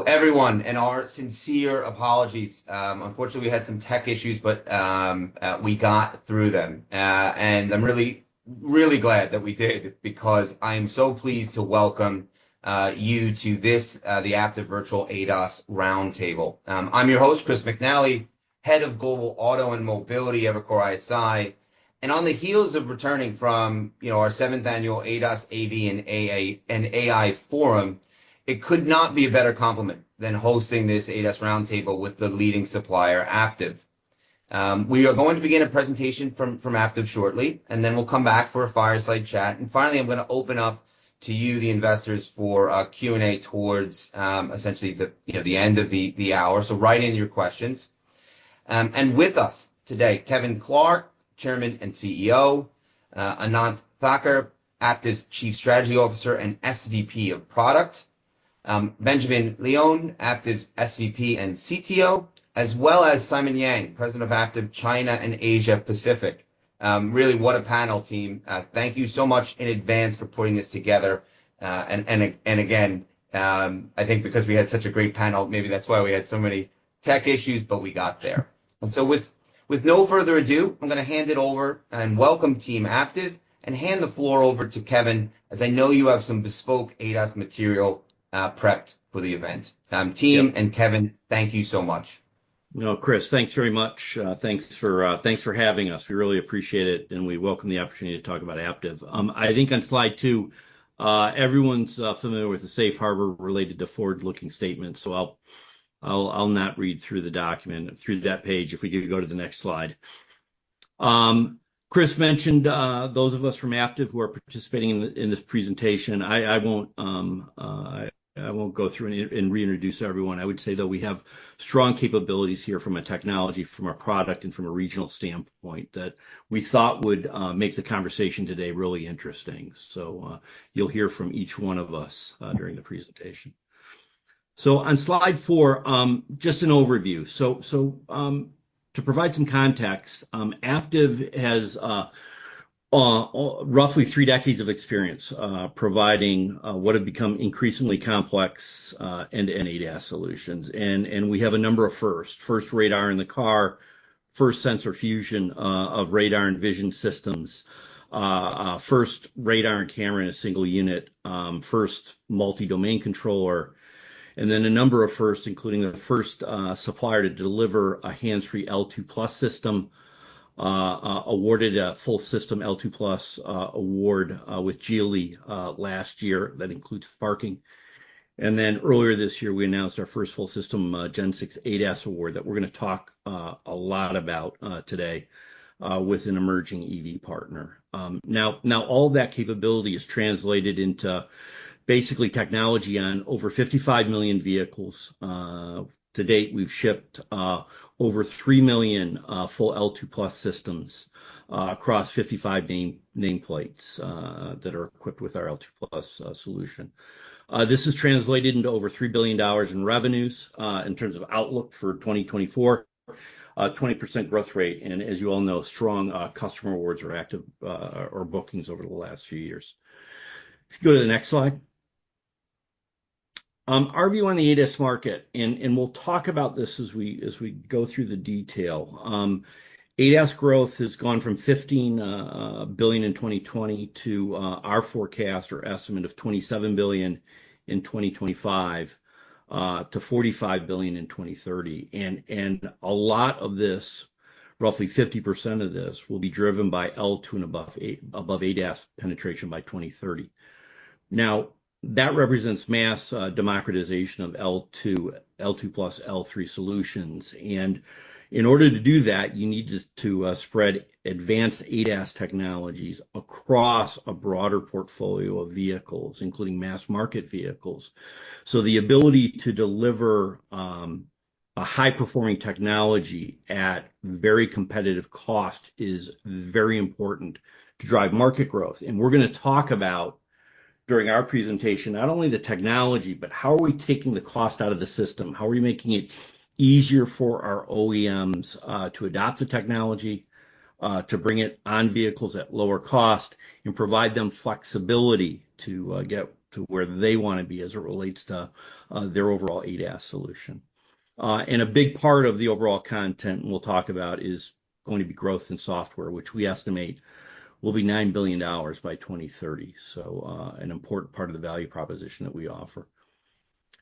Hello, everyone, and our sincere apologies. Unfortunately, we had some tech issues, but we got through them. And I'm really, really glad that we did, because I am so pleased to welcome you to this the Aptiv Virtual ADAS Roundtable. I'm your host, Chris McNally, head of Global Auto and Mobility, Evercore ISI. And on the heels of returning from, you know, our seventh annual ADAS, AV, and AA, and AI forum, it could not be a better complement than hosting this ADAS roundtable with the leading supplier, Aptiv. We are going to begin a presentation from Aptiv shortly, and then we'll come back for a fireside chat. And finally, I'm gonna open up to you, the investors, for a Q&A towards essentially the, you know, the end of the hour. So write in your questions. And with us today, Kevin Clark, Chairman and CEO, Anant Thaker, Aptiv's Chief Strategy Officer and SVP of Product, Benjamin Lyon, Aptiv's SVP and CTO, as well as Simon Yang, President of Aptiv China and Asia Pacific. Really, what a panel team. Thank you so much in advance for putting this together. And again, I think because we had such a great panel, maybe that's why we had so many tech issues, but we got there. So with no further ado, I'm gonna hand it over, and welcome, team Aptiv, and hand the floor over to Kevin, as I know you have some bespoke ADAS material prepped for the event. Team and Kevin, thank you so much. Chris, thanks very much. Thanks for having us. We really appreciate it, and we welcome the opportunity to talk about Aptiv. I think on slide two, everyone's familiar with the safe harbor related to forward-looking statements, so I'll not read through the document, through that page, if we could go to the next slide. Chris mentioned those of us from Aptiv who are participating in this presentation. I won't go through and reintroduce everyone. I would say, though, we have strong capabilities here from a technology, from a product, and from a regional standpoint, that we thought would make the conversation today really interesting. So, you'll hear from each one of us during the presentation. So on slide four, just an overview. To provide some context, Aptiv has roughly three decades of experience providing what have become increasingly complex end-to-end ADAS solutions. And we have a number of firsts: first radar in the car, first sensor fusion of radar and vision systems, first radar and camera in a single unit, first multi-domain controller, and then a number of firsts, including the first supplier to deliver a hands-free L2+ system. Awarded a full system L2+ award with General Motors last year. That includes parking. And then, earlier this year, we announced our first full system Gen 6 ADAS award, that we're gonna talk a lot about today with an emerging EV partner. Now, all that capability is translated into basically technology on over 55 million vehicles. To date, we've shipped over three million full L2+ systems across 55 nameplates that are equipped with our L2+ solution. This is translated into over $3 billion in revenues. In terms of outlook for 2024, a 20% growth rate, and as you all know, strong customer awards or active or bookings over the last few years. If you go to the next slide. Our view on the ADAS market, and we'll talk about this as we go through the detail. ADAS growth has gone from $15 billion in 2020 to our forecast or estimate of $27 billion in 2025 to $45 billion in 2030. A lot of this, roughly 50% of this, will be driven by L2 and above ADAS penetration by 2030. Now, that represents mass democratization of L2, L2+, L3 solutions. In order to do that, you need to spread advanced ADAS technologies across a broader portfolio of vehicles, including mass market vehicles. The ability to deliver a high-performing technology at very competitive cost is very important to drive market growth. We're gonna talk about, during our presentation, not only the technology, but how are we taking the cost out of the system? How are we making it easier for our OEMs to adopt the technology, to bring it on vehicles at lower cost, and provide them flexibility to get to where they wanna be as it relates to their overall ADAS solution. And a big part of the overall content we'll talk about is going to be growth in software, which we estimate will be $9 billion by 2030, so an important part of the value proposition that we offer.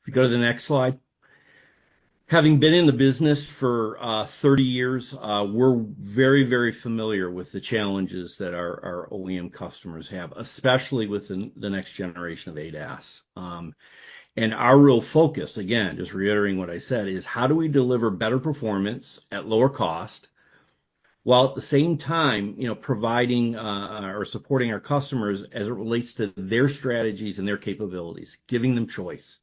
If you go to the next slide. Having been in the business for 30 years, we're very, very familiar with the challenges that our OEM customers have, especially with the next generation of ADAS. And our real focus, again, just reiterating what I said, is how do we deliver better performance at lower cost, while at the same time, you know, providing or supporting our customers as it relates to their strategies and their capabilities, giving them choice?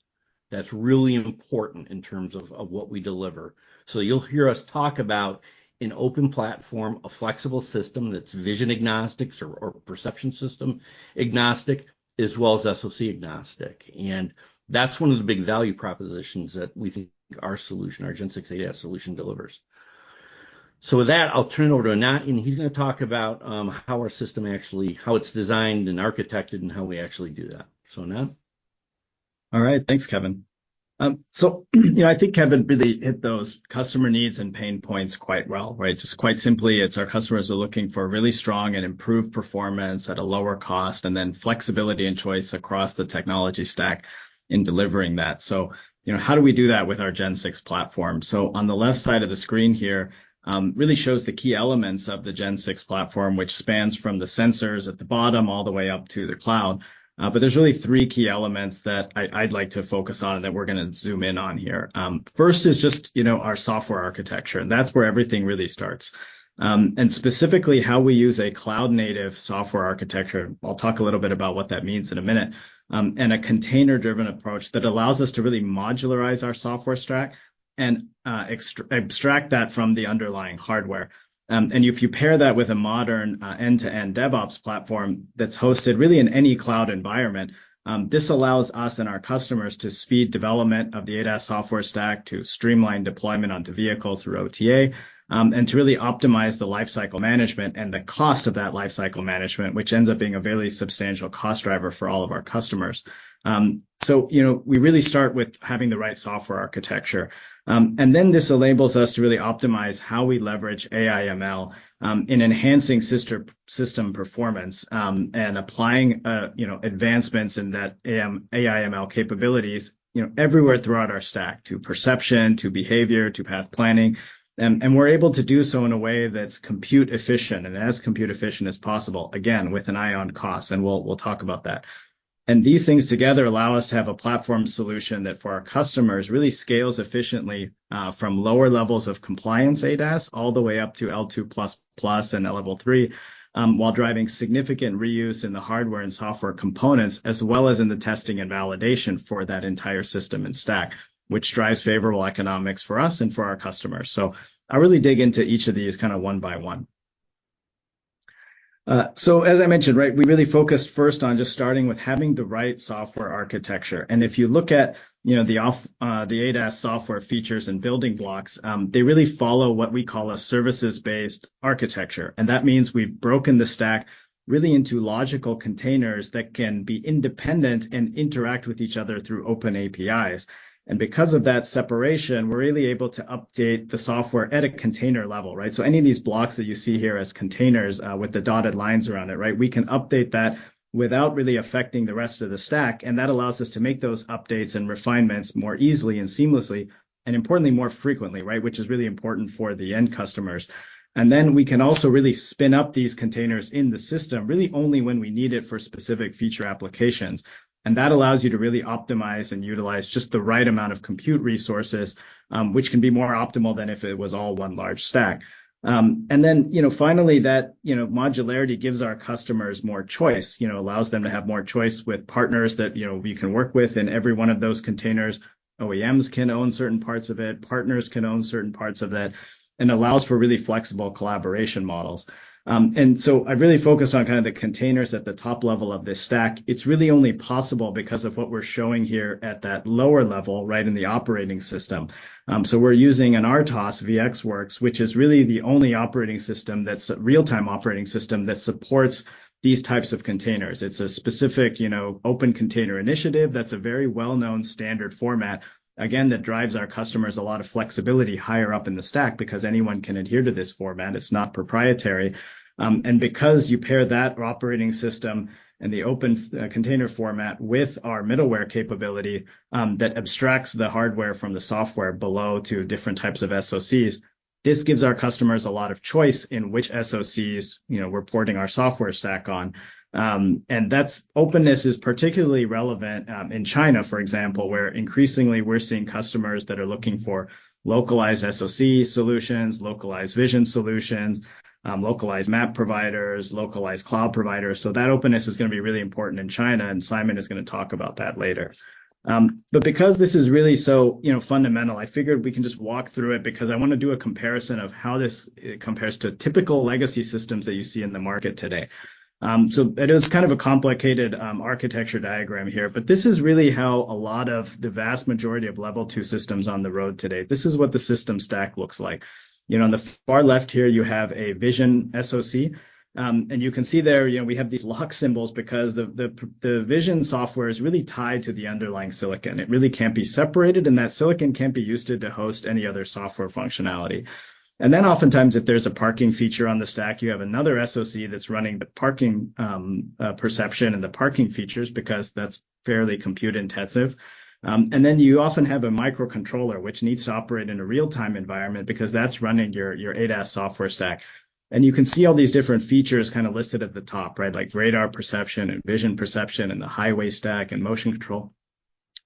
That's really important in terms of what we deliver. So, you'll hear us talk about an open platform, a flexible system that's vision agnostic or perception system agnostic, as well as SoC agnostic, and that's one of the big value propositions that we think our solution, our Gen 6 ADAS solution, delivers. ... So with that, I'll turn it over to Anant, and he's gonna talk about, how our system actually, how it's designed and architected, and how we actually do that. So, Anant? All right. Thanks, Kevin. So, you know, I think Kevin really hit those customer needs and pain points quite well, right? Just quite simply, it's our customers are looking for really strong and improved performance at a lower cost, and then flexibility and choice across the technology stack in delivering that. So, you know, how do we do that with our Gen 6 platform? So on the left side of the screen here, really shows the key elements of the Gen 6 platform, which spans from the sensors at the bottom all the way up to the cloud. But there's really three key elements that I, I'd like to focus on and that we're gonna zoom in on here. First is just, you know, our software architecture, and that's where everything really starts. And specifically, how we use a cloud-native software architecture, I'll talk a little bit about what that means in a minute, and a container-driven approach that allows us to really modularize our software stack and abstract that from the underlying hardware. And if you pair that with a modern end-to-end DevOps platform that's hosted really in any cloud environment, this allows us and our customers to speed development of the ADAS software stack, to streamline deployment onto vehicles through OTA, and to really optimize the lifecycle management and the cost of that lifecycle management, which ends up being a very substantial cost driver for all of our customers. So, you know, we really start with having the right software architecture. And then this enables us to really optimize how we leverage AI/ML in enhancing system performance, and applying, you know, advancements in that AI/ML capabilities, you know, everywhere throughout our stack, to perception, to behavior, to path planning. And we're able to do so in a way that's compute efficient and as compute efficient as possible, again, with an eye on cost, and we'll talk about that. And these things together allow us to have a platform solution that, for our customers, really scales efficiently from lower levels of compliance ADAS, all the way up to L2++ and level three, while driving significant reuse in the hardware and software components, as well as in the testing and validation for that entire system and stack, which drives favorable economics for us and for our customers. So I'll really dig into each of these kinda one by one. So as I mentioned, right, we really focused first on just starting with having the right software architecture. And if you look at, you know, the ADAS software features and building blocks, they really follow what we call a services-based architecture, and that means we've broken the stack really into logical containers that can be independent and interact with each other through open APIs. And because of that separation, we're really able to update the software at a container level, right? Any of these blocks that you see here as containers, with the dotted lines around it, right, we can update that without really affecting the rest of the stack, and that allows us to make those updates and refinements more easily and seamlessly, and importantly, more frequently, right, which is really important for the end customers. And then we can also really spin up these containers in the system, really only when we need it for specific feature applications. And that allows you to really optimize and utilize just the right amount of compute resources, which can be more optimal than if it was all one large stack. And then, you know, finally, that, you know, modularity gives our customers more choice, you know, allows them to have more choice with partners that, you know, we can work with, and every one of those containers, OEMs can own certain parts of it, partners can own certain parts of it, and allows for really flexible collaboration models. And so I really focused on kind of the containers at the top level of this stack. It's really only possible because of what we're showing here at that lower level, right, in the operating system. So we're using an RTOS, VxWorks, which is really the only operating system that's a real-time operating system that supports these types of containers. It's a specific, you know, Open Container Initiative that's a very well-known standard format, again, that drives our customers a lot of flexibility higher up in the stack because anyone can adhere to this format. It's not proprietary. And because you pair that operating system and the open container format with our middleware capability, that abstracts the hardware from the software below to different types of SoCs, this gives our customers a lot of choice in which SoCs, you know, we're porting our software stack on. And that's openness is particularly relevant in China, for example, where increasingly we're seeing customers that are looking for localized SoC solutions, localized vision solutions, localized map providers, localized cloud providers. So that openness is gonna be really important in China, and Simon is gonna talk about that later. But because this is really so, you know, fundamental, I figured we can just walk through it because I wanna do a comparison of how this, compares to typical legacy systems that you see in the market today. So it is kind of a complicated, architecture diagram here, but this is really how a lot of the vast majority of level two systems on the road today, this is what the system stack looks like. You know, on the far left here, you have a vision SoC, and you can see there, you know, we have these lock symbols because the vision software is really tied to the underlying silicon. It really can't be separated, and that silicon can't be used to host any other software functionality. And then oftentimes, if there's a parking feature on the stack, you have another SoC that's running the parking perception and the parking features because that's fairly compute intensive. And then you often have a microcontroller, which needs to operate in a real-time environment because that's running your ADAS software stack. And you can see all these different features kind of listed at the top, right? Like radar perception and vision perception, and the highway stack, and motion control.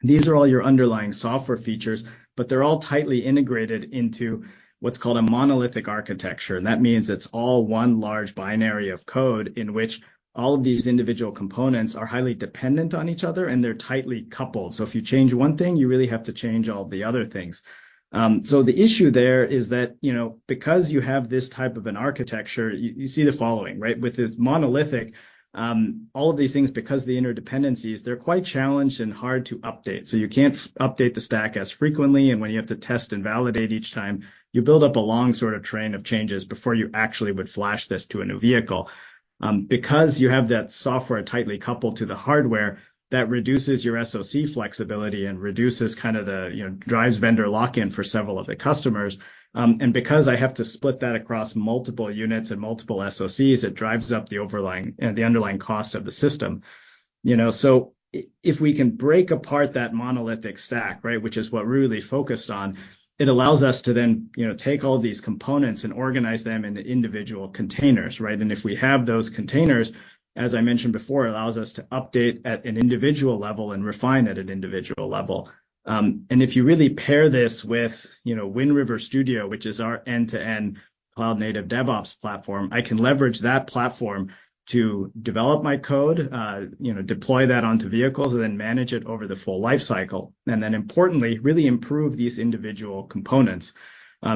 These are all your underlying software features, but they're all tightly integrated into what's called a monolithic architecture, and that means it's all one large binary of code in which all of these individual components are highly dependent on each other, and they're tightly coupled. So if you change one thing, you really have to change all the other things. So the issue there is that, you know, because you have this type of an architecture, you see the following, right? With this monolithic, all of these things, because of the interdependencies, they're quite challenged and hard to update, so you can't update the stack as frequently, and when you have to test and validate each time, you build up a long sort of train of changes before you actually would flash this to a new vehicle, because you have that software tightly coupled to the hardware. That reduces your SoC flexibility and reduces kind of the, you know, drives vendor lock-in for several of the customers, and because I have to split that across multiple units and multiple SoCs, it drives up the underlying cost of the system, you know? So if we can break apart that monolithic stack, right, which is what we're really focused on, it allows us to then, you know, take all these components and organize them into individual containers, right? And if we have those containers, as I mentioned before, it allows us to update at an individual level and refine at an individual level. And if you really pair this with, you know, Wind River Studio, which is our end-to-end cloud native DevOps platform, I can leverage that platform to develop my code, you know, deploy that onto vehicles, and then manage it over the full life cycle, and then importantly, really improve these individual components.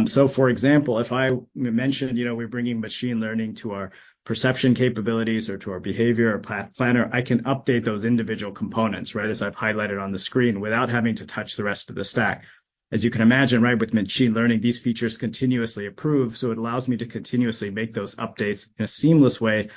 So for example, if I mentioned, you know, we're bringing machine learning to our perception capabilities or to our behavior or path planner, I can update those individual components, right, as I've highlighted on the screen, without having to touch the rest of the stack. As you can imagine, right, with machine learning, these features continuously improve, so it allows me to continuously make those updates in a seamless way,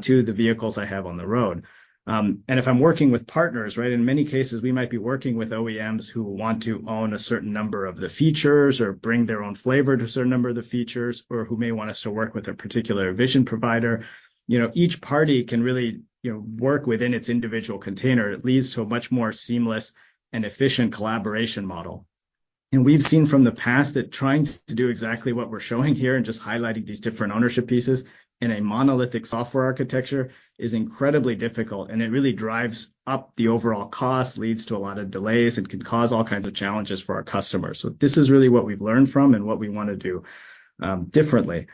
to the vehicles I have on the road. And if I'm working with partners, right, in many cases, we might be working with OEMs who want to own a certain number of the features or bring their own flavor to a certain number of the features, or who may want us to work with a particular vision provider. You know, each party can really, you know, work within its individual container. It leads to a much more seamless and efficient collaboration model, and we've seen from the past that trying to do exactly what we're showing here and just highlighting these different ownership pieces in a monolithic software architecture is incredibly difficult, and it really drives up the overall cost, leads to a lot of delays, and can cause all kinds of challenges for our customers, so this is really what we've learned from and what we wanna do differently,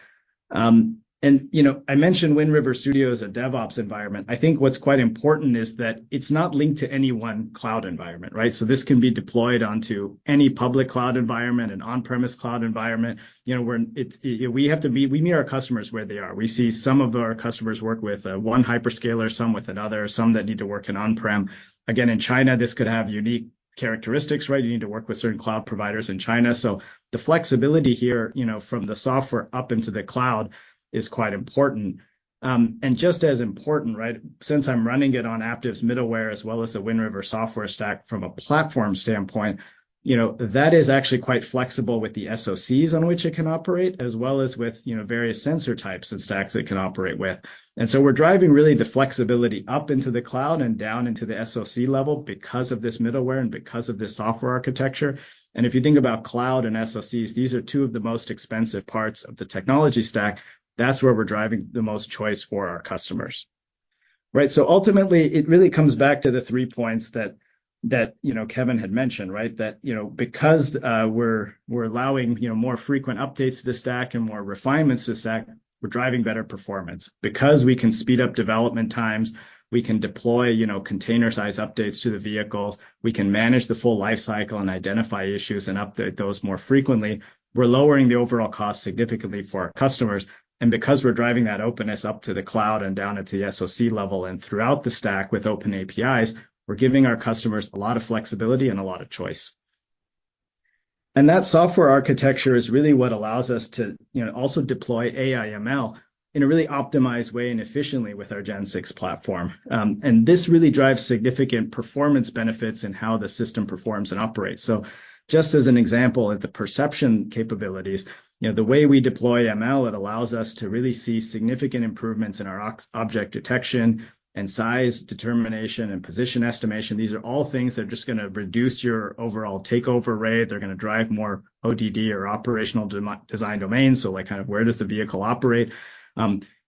and you know, I mentioned Wind River Studio is a DevOps environment. I think what's quite important is that it's not linked to any one cloud environment, right, so this can be deployed onto any public cloud environment and on-premise cloud environment. You know, we're. It's, we meet our customers where they are. We see some of our customers work with one hyperscaler, some with another, some that need to work in on-prem. Again, in China, this could have unique characteristics, right? You need to work with certain cloud providers in China. So the flexibility here, you know, from the software up into the cloud is quite important. And just as important, right, since I'm running it on Aptiv's middleware as well as the Wind River software stack from a platform standpoint, you know, that is actually quite flexible with the SoCs on which it can operate, as well as with, you know, various sensor types and stacks it can operate with. And so we're driving really the flexibility up into the cloud and down into the SoC level because of this middleware and because of this software architecture. And if you think about cloud and SoCs, these are two of the most expensive parts of the technology stack. That's where we're driving the most choice for our customers, right? So ultimately, it really comes back to the three points that you know Kevin had mentioned, right? That you know because we're allowing you know more frequent updates to the stack and more refinements to the stack, we're driving better performance. Because we can speed up development times, we can deploy you know container-size updates to the vehicles, we can manage the full life cycle and identify issues, and update those more frequently, we're lowering the overall cost significantly for our customers. Because we're driving that openness up to the cloud and down at the SoC level and throughout the stack with open APIs, we're giving our customers a lot of flexibility and a lot of choice. That software architecture is really what allows us to, you know, also deploy AI ML in a really optimized way and efficiently with our Gen 6 platform. This really drives significant performance benefits in how the system performs and operates. Just as an example, at the perception capabilities, you know, the way we deploy ML, it allows us to really see significant improvements in our object detection, and size determination, and position estimation. These are all things that are just gonna reduce your overall takeover rate. They're gonna drive more ODD or operational design domains, so, like, kind of where does the vehicle operate?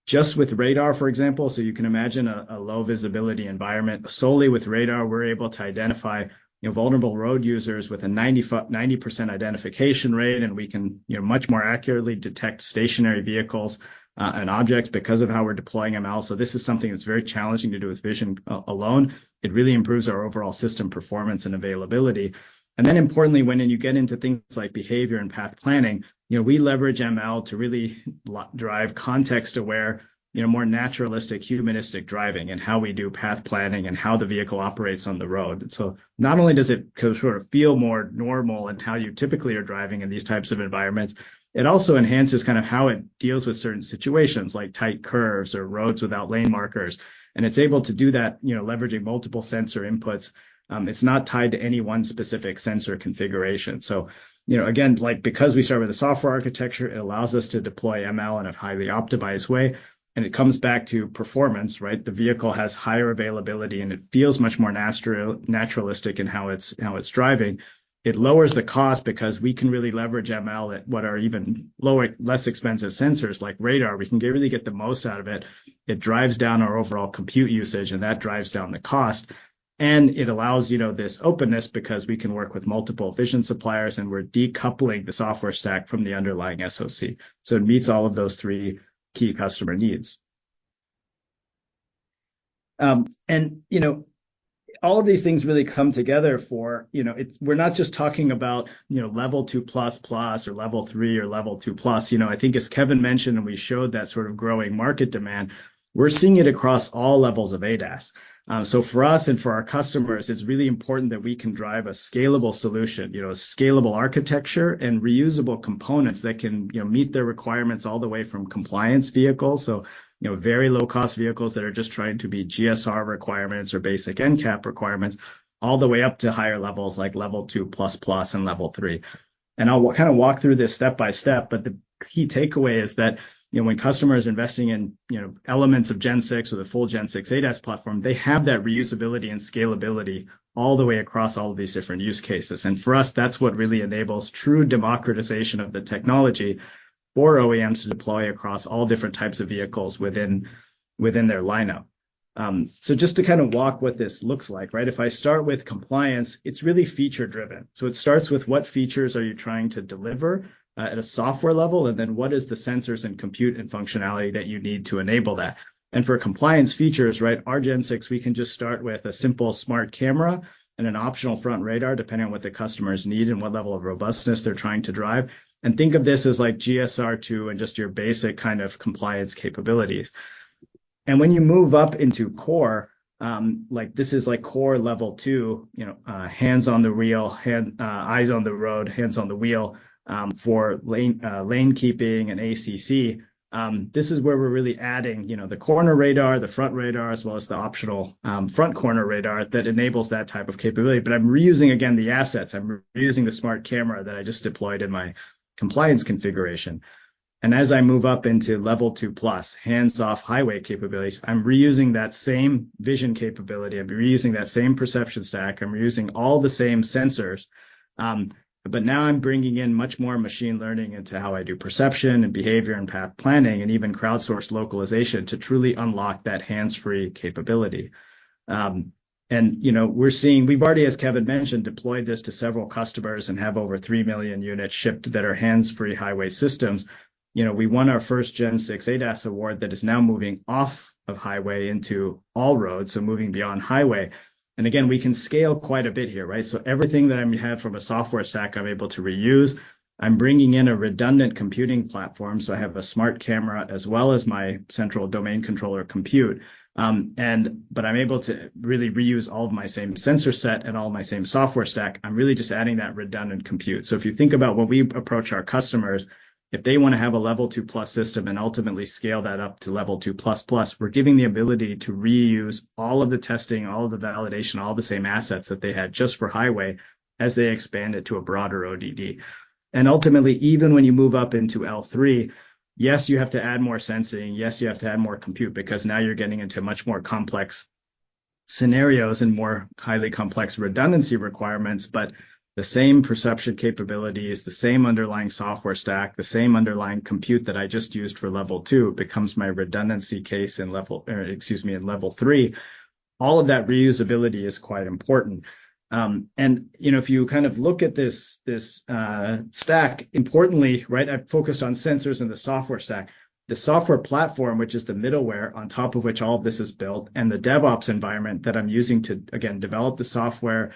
Just with radar, for example, so you can imagine a low visibility environment. Solely with radar, we're able to identify, you know, vulnerable road users with a 90% identification rate, and we can, you know, much more accurately detect stationary vehicles and objects because of how we're deploying ML. So this is something that's very challenging to do with vision alone. It really improves our overall system performance and availability. And then importantly, when you get into things like behavior and path planning, you know, we leverage ML to really drive context to where, you know, more naturalistic, humanistic driving, and how we do path planning, and how the vehicle operates on the road. So not only does it sort of feel more normal in how you typically are driving in these types of environments, it also enhances kind of how it deals with certain situations, like tight curves or roads without lane markers, and it's able to do that, you know, leveraging multiple sensor inputs. It's not tied to any one specific sensor configuration, so, you know, again, like, because we start with a software architecture, it allows us to deploy ML in a highly optimized way, and it comes back to performance, right? The vehicle has higher availability, and it feels much more naturalistic in how it's, how it's driving. It lowers the cost because we can really leverage ML at what are even lower, less expensive sensors like radar. We can really get the most out of it. It drives down our overall compute usage, and that drives down the cost. And it allows, you know, this openness because we can work with multiple vision suppliers, and we're decoupling the software stack from the underlying SoC. So it meets all of those three key customer needs. And, you know, all of these things really come together for... You know, it's, we're not just talking about, you know, level 2++, or level 3, or level 2+. You know, I think as Kevin mentioned, and we showed that sort of growing market demand, we're seeing it across all levels of ADAS. So for us and for our customers, it's really important that we can drive a scalable solution, you know, a scalable architecture, and reusable components that can, you know, meet their requirements all the way from compliance vehicles. You know, very low cost vehicles that are just trying to meet GSR requirements or basic NCAP requirements, all the way up to higher levels, like level 2++ and level 3. I'll kind of walk through this step by step, but the key takeaway is that, you know, when customers are investing in, you know, elements of Gen 6 or the full Gen 6 ADAS platform, they have that reusability and scalability all the way across all of these different use cases. For us, that's what really enables true democratization of the technology for OEMs to deploy across all different types of vehicles within their lineup. Just to kind of walk what this looks like, right? If I start with compliance, it's really feature driven. So it starts with, what features are you trying to deliver, at a software level, and then what is the sensors and compute and functionality that you need to enable that? And for compliance features, right, our Gen 6, we can just start with a simple smart camera and an optional front radar, depending on what the customers need and what level of robustness they're trying to drive. And think of this as like GSR II and just your basic kind of compliance capabilities. And when you move up into core, like, this is like core level two, you know, hands on the wheel, hand, eyes on the road, hands on the wheel, for lane, lane keeping and ACC. This is where we're really adding, you know, the corner radar, the front radar, as well as the optional, front corner radar that enables that type of capability. But I'm reusing again, the assets. I'm reusing the smart camera that I just deployed in my compliance configuration. And as I move up into level two plus, hands-off highway capabilities, I'm reusing that same vision capability, I'm reusing that same perception stack, I'm reusing all the same sensors, but now I'm bringing in much more machine learning into how I do perception and behavior and path planning, and even crowdsourced localization to truly unlock that hands-free capability. And you know, we're seeing, we've already, as Kevin mentioned, deployed this to several customers and have over three million units shipped that are hands-free highway systems. You know, we won our first Gen 6 ADAS award that is now moving off of highway into all roads, so moving beyond highway. And again, we can scale quite a bit here, right? So everything that I have from a software stack, I'm able to reuse. I'm bringing in a redundant computing platform, so I have a smart camera, as well as my central domain controller compute. But I'm able to really reuse all of my same sensor set and all my same software stack. I'm really just adding that redundant compute. So if you think about when we approach our customers, if they wanna have a level two plus system and ultimately scale that up to level 2++, we're giving the ability to reuse all of the testing, all of the validation, all the same assets that they had just for highway as they expand it to a broader ODD. And ultimately, even when you move up into L3, yes, you have to add more sensing, yes, you have to add more compute, because now you're getting into much more complex scenarios and more highly complex redundancy requirements. But the same perception capabilities, the same underlying software stack, the same underlying compute that I just used for level two, becomes my redundancy case in level, or excuse me, in level 3. All of that reusability is quite important. And you know, if you kind of look at this stack, importantly, right, I've focused on sensors and the software stack. The software platform, which is the middleware, on top of which all of this is built, and the DevOps environment that I'm using to, again, develop the software,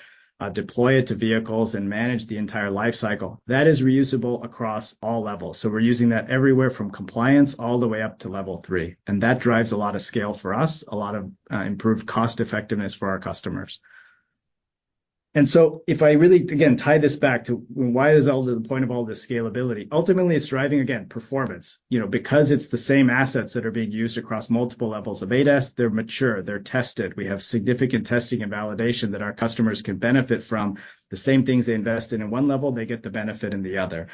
deploy it to vehicles, and manage the entire life cycle, that is reusable across all levels. So we're using that everywhere from compliance all the way up to level three, and that drives a lot of scale for us, a lot of improved cost effectiveness for our customers. And so if I really, again, tie this back to why is all the point of all this scalability, ultimately, it's driving, again, performance. You know, because it's the same assets that are being used across multiple levels of ADAS, they're mature, they're tested. We have significant testing and validation that our customers can benefit from. The same things they invest in at one level, they get the benefit in the other.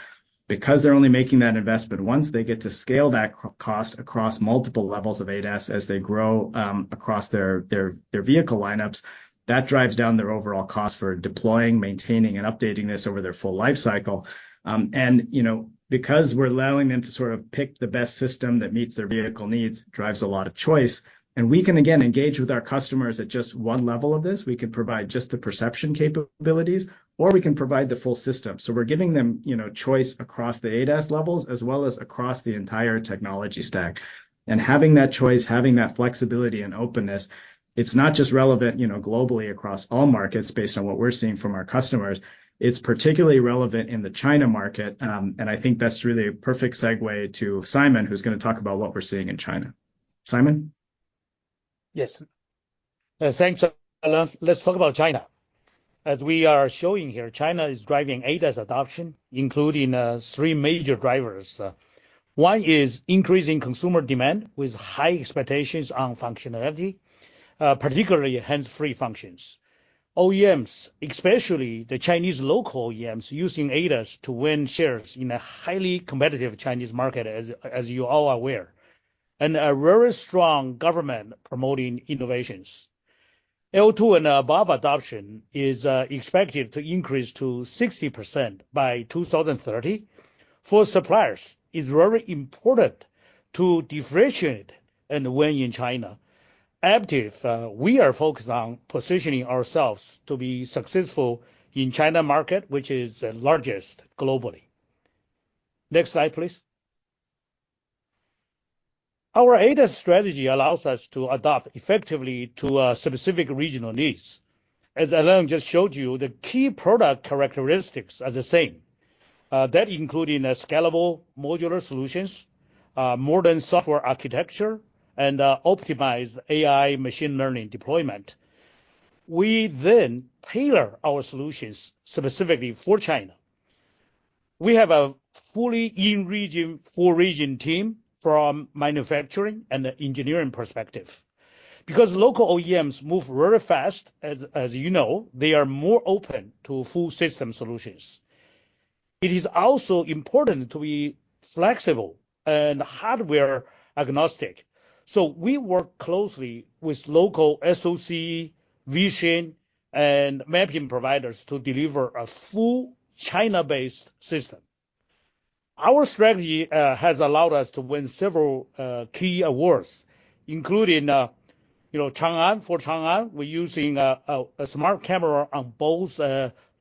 Because they're only making that investment once, they get to scale that cost across multiple levels of ADAS as they grow across their vehicle lineups, that drives down their overall cost for deploying, maintaining, and updating this over their full life cycle. And, you know, because we're allowing them to sort of pick the best system that meets their vehicle needs, drives a lot of choice, and we can, again, engage with our customers at just one level of this. We can provide just the perception capabilities, or we can provide the full system. So we're giving them, you know, choice across the ADAS levels, as well as across the entire technology stack. And having that choice, having that flexibility and openness, it's not just relevant, you know, globally across all markets, based on what we're seeing from our customers, it's particularly relevant in the China market. And I think that's really a perfect segue to Simon, who's gonna talk about what we're seeing in China. Simon? Yes. Thanks, Anant. Let's talk about China. As we are showing here, China is driving ADAS adoption, including three major drivers. One is increasing consumer demand with high expectations on functionality, particularly hands-free functions. OEMs, especially the Chinese local OEMs, using ADAS to win shares in a highly competitive Chinese market, as you all are aware, and a very strong government promoting innovations. L2 and above adoption is expected to increase to 60% by 2030. For suppliers, it's very important to differentiate and win in China. Aptiv, we are focused on positioning ourselves to be successful in China market, which is the largest globally. Next slide, please. Our ADAS strategy allows us to adapt effectively to specific regional needs. As Anant just showed you, the key product characteristics are the same.... That including a scalable modular solutions, modern software architecture, and optimized AI machine learning deployment. We then tailor our solutions specifically for China. We have a fully in-region team from manufacturing and engineering perspective. Because local OEMs move very fast, as you know, they are more open to full system solutions. It is also important to be flexible and hardware agnostic, so we work closely with local SoC, vision, and mapping providers to deliver a full China-based system. Our strategy has allowed us to win several key awards, including, you know, Changan. For Changan, we're using a smart camera on both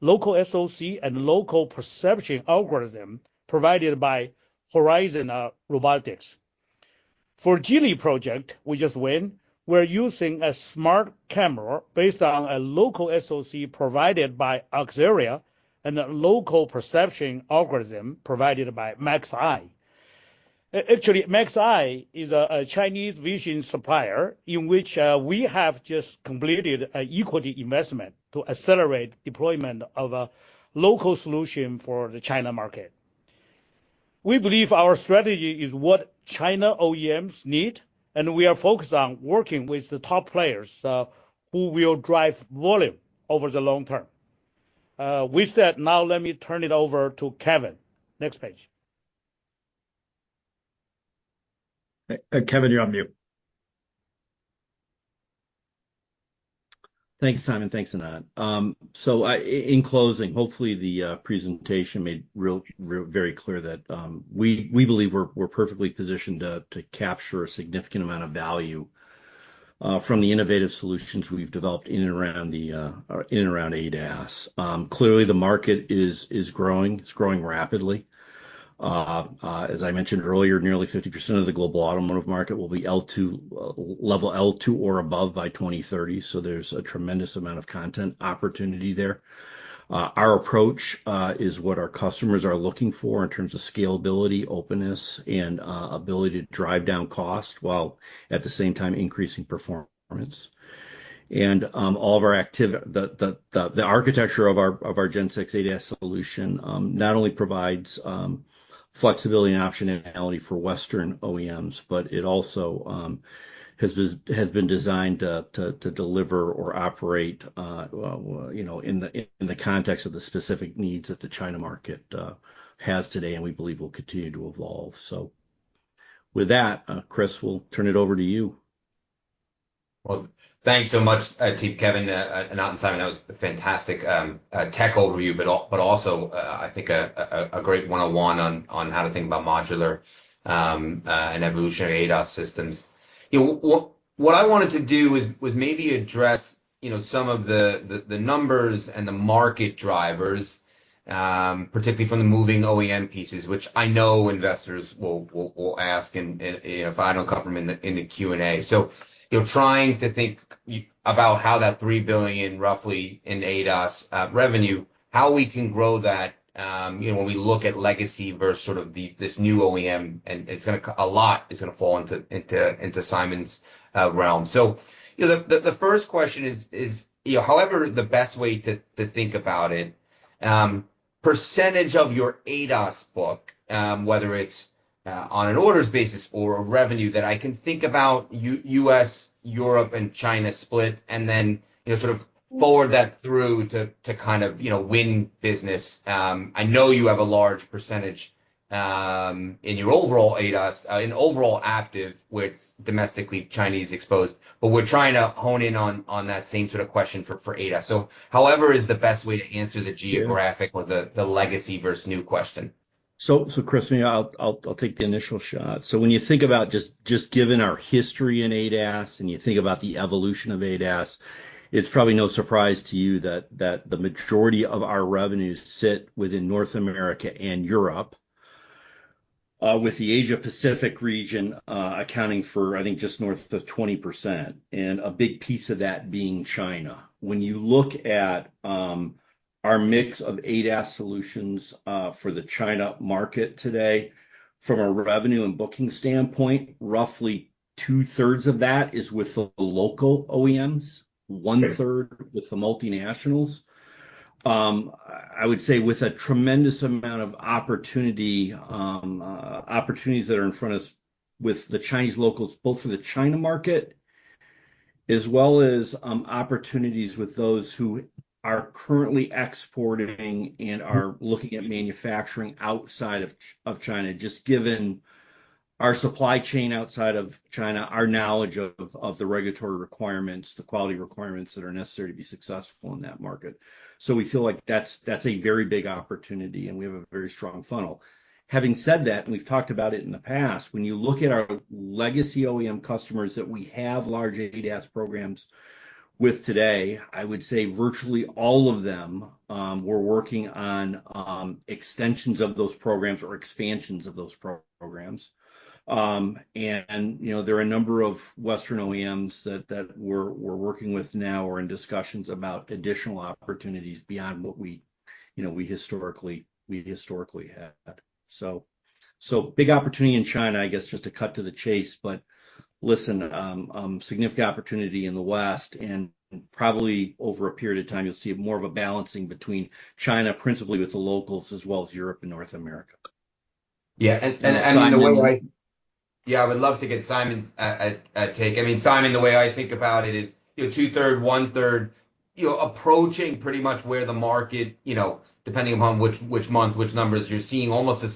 local SoC and local perception algorithm provided by Horizon Robotics. For Geely project, we're using a smart camera based on a local SoC provided by Axera, and a local perception algorithm provided by MaxEye. Actually, MaxEye is a Chinese vision supplier, in which we have just completed an equity investment to accelerate deployment of a local solution for the China market. We believe our strategy is what China OEMs need, and we are focused on working with the top players, who will drive volume over the long term. With that, now let me turn it over to Kevin. Next page. Kevin, you're on mute. Thanks, Simon. Thanks, Anant. In closing, hopefully the presentation made very clear that we believe we're perfectly positioned to capture a significant amount of value from the innovative solutions we've developed in and around ADAS. Clearly, the market is growing. It's growing rapidly. As I mentioned earlier, nearly 50% of the global automotive market will be L2 level L2 or above by 2030, so there's a tremendous amount of content opportunity there. Our approach is what our customers are looking for in terms of scalability, openness, and ability to drive down cost, while at the same time, increasing performance. All of the architecture of our Gen 6 ADAS solution not only provides flexibility and optionality for Western OEMs, but it also has been designed to deliver or operate, you know, in the context of the specific needs that the China market has today, and we believe will continue to evolve. So with that, Chris, we'll turn it over to you. Thanks so much, team, Kevin, and Anant and Simon, that was a fantastic tech overview, but also, I think a great one-on-one on how to think about modular and evolutionary ADAS systems. You know, what I wanted to do was maybe address, you know, some of the numbers and the market drivers, particularly from the moving OEM pieces, which I know investors will ask, and if I don't cover them in the Q&A. You know, trying to think about how that $3 billion, roughly, in ADAS revenue, how we can grow that, you know, when we look at legacy versus sort of these, this new OEM, and it's gonna a lot is gonna fall into Simon's realm. So, you know, the first question is, you know, however the best way to think about it, percentage of your ADAS book, whether it's on an orders basis or revenue, that I can think about US, Europe, and China split, and then, you know, sort of forward that through to kind of, you know, win business. I know you have a large percentage in your overall ADAS, in overall active with domestically Chinese exposed, but we're trying to hone in on that same sort of question for ADAS. So however is the best way to answer the geographic- Sure... or the legacy versus new question. So, Chris, me, I'll take the initial shot. So when you think about just given our history in ADAS, and you think about the evolution of ADAS, it's probably no surprise to you that the majority of our revenues sit within North America and Europe, with the Asia Pacific region accounting for, I think, just north of 20%, and a big piece of that being China. When you look at our mix of ADAS solutions for the China market today, from a revenue and booking standpoint, roughly 2/3 of that is with the local OEMs- Sure... 1/3 with the multinationals. I would say with a tremendous amount of opportunity, opportunities that are in front of us with the Chinese locals, both for the China market as well as opportunities with those who are currently exporting and are looking at manufacturing outside of China, just given our supply chain outside of China, our knowledge of the regulatory requirements, the quality requirements that are necessary to be successful in that market. So we feel like that's a very big opportunity, and we have a very strong funnel. Having said that, and we've talked about it in the past, when you look at our legacy OEM customers that we have large ADAS programs with today, I would say virtually all of them, we're working on extensions of those programs or expansions of those programs. You know, there are a number of Western OEMs that we're working with now or in discussions about additional opportunities beyond what we historically had. So big opportunity in China, I guess, just to cut to the chase, but listen, significant opportunity in the West, and probably over a period of time, you'll see more of a balancing between China, principally with the locals, as well as Europe and North America. Yeah, I would love to get Simon's take. I mean, Simon, the way I think about it is, you know, two-third, one-third, you know, approaching pretty much where the market, you know, depending upon which month, which numbers, you're seeing almost a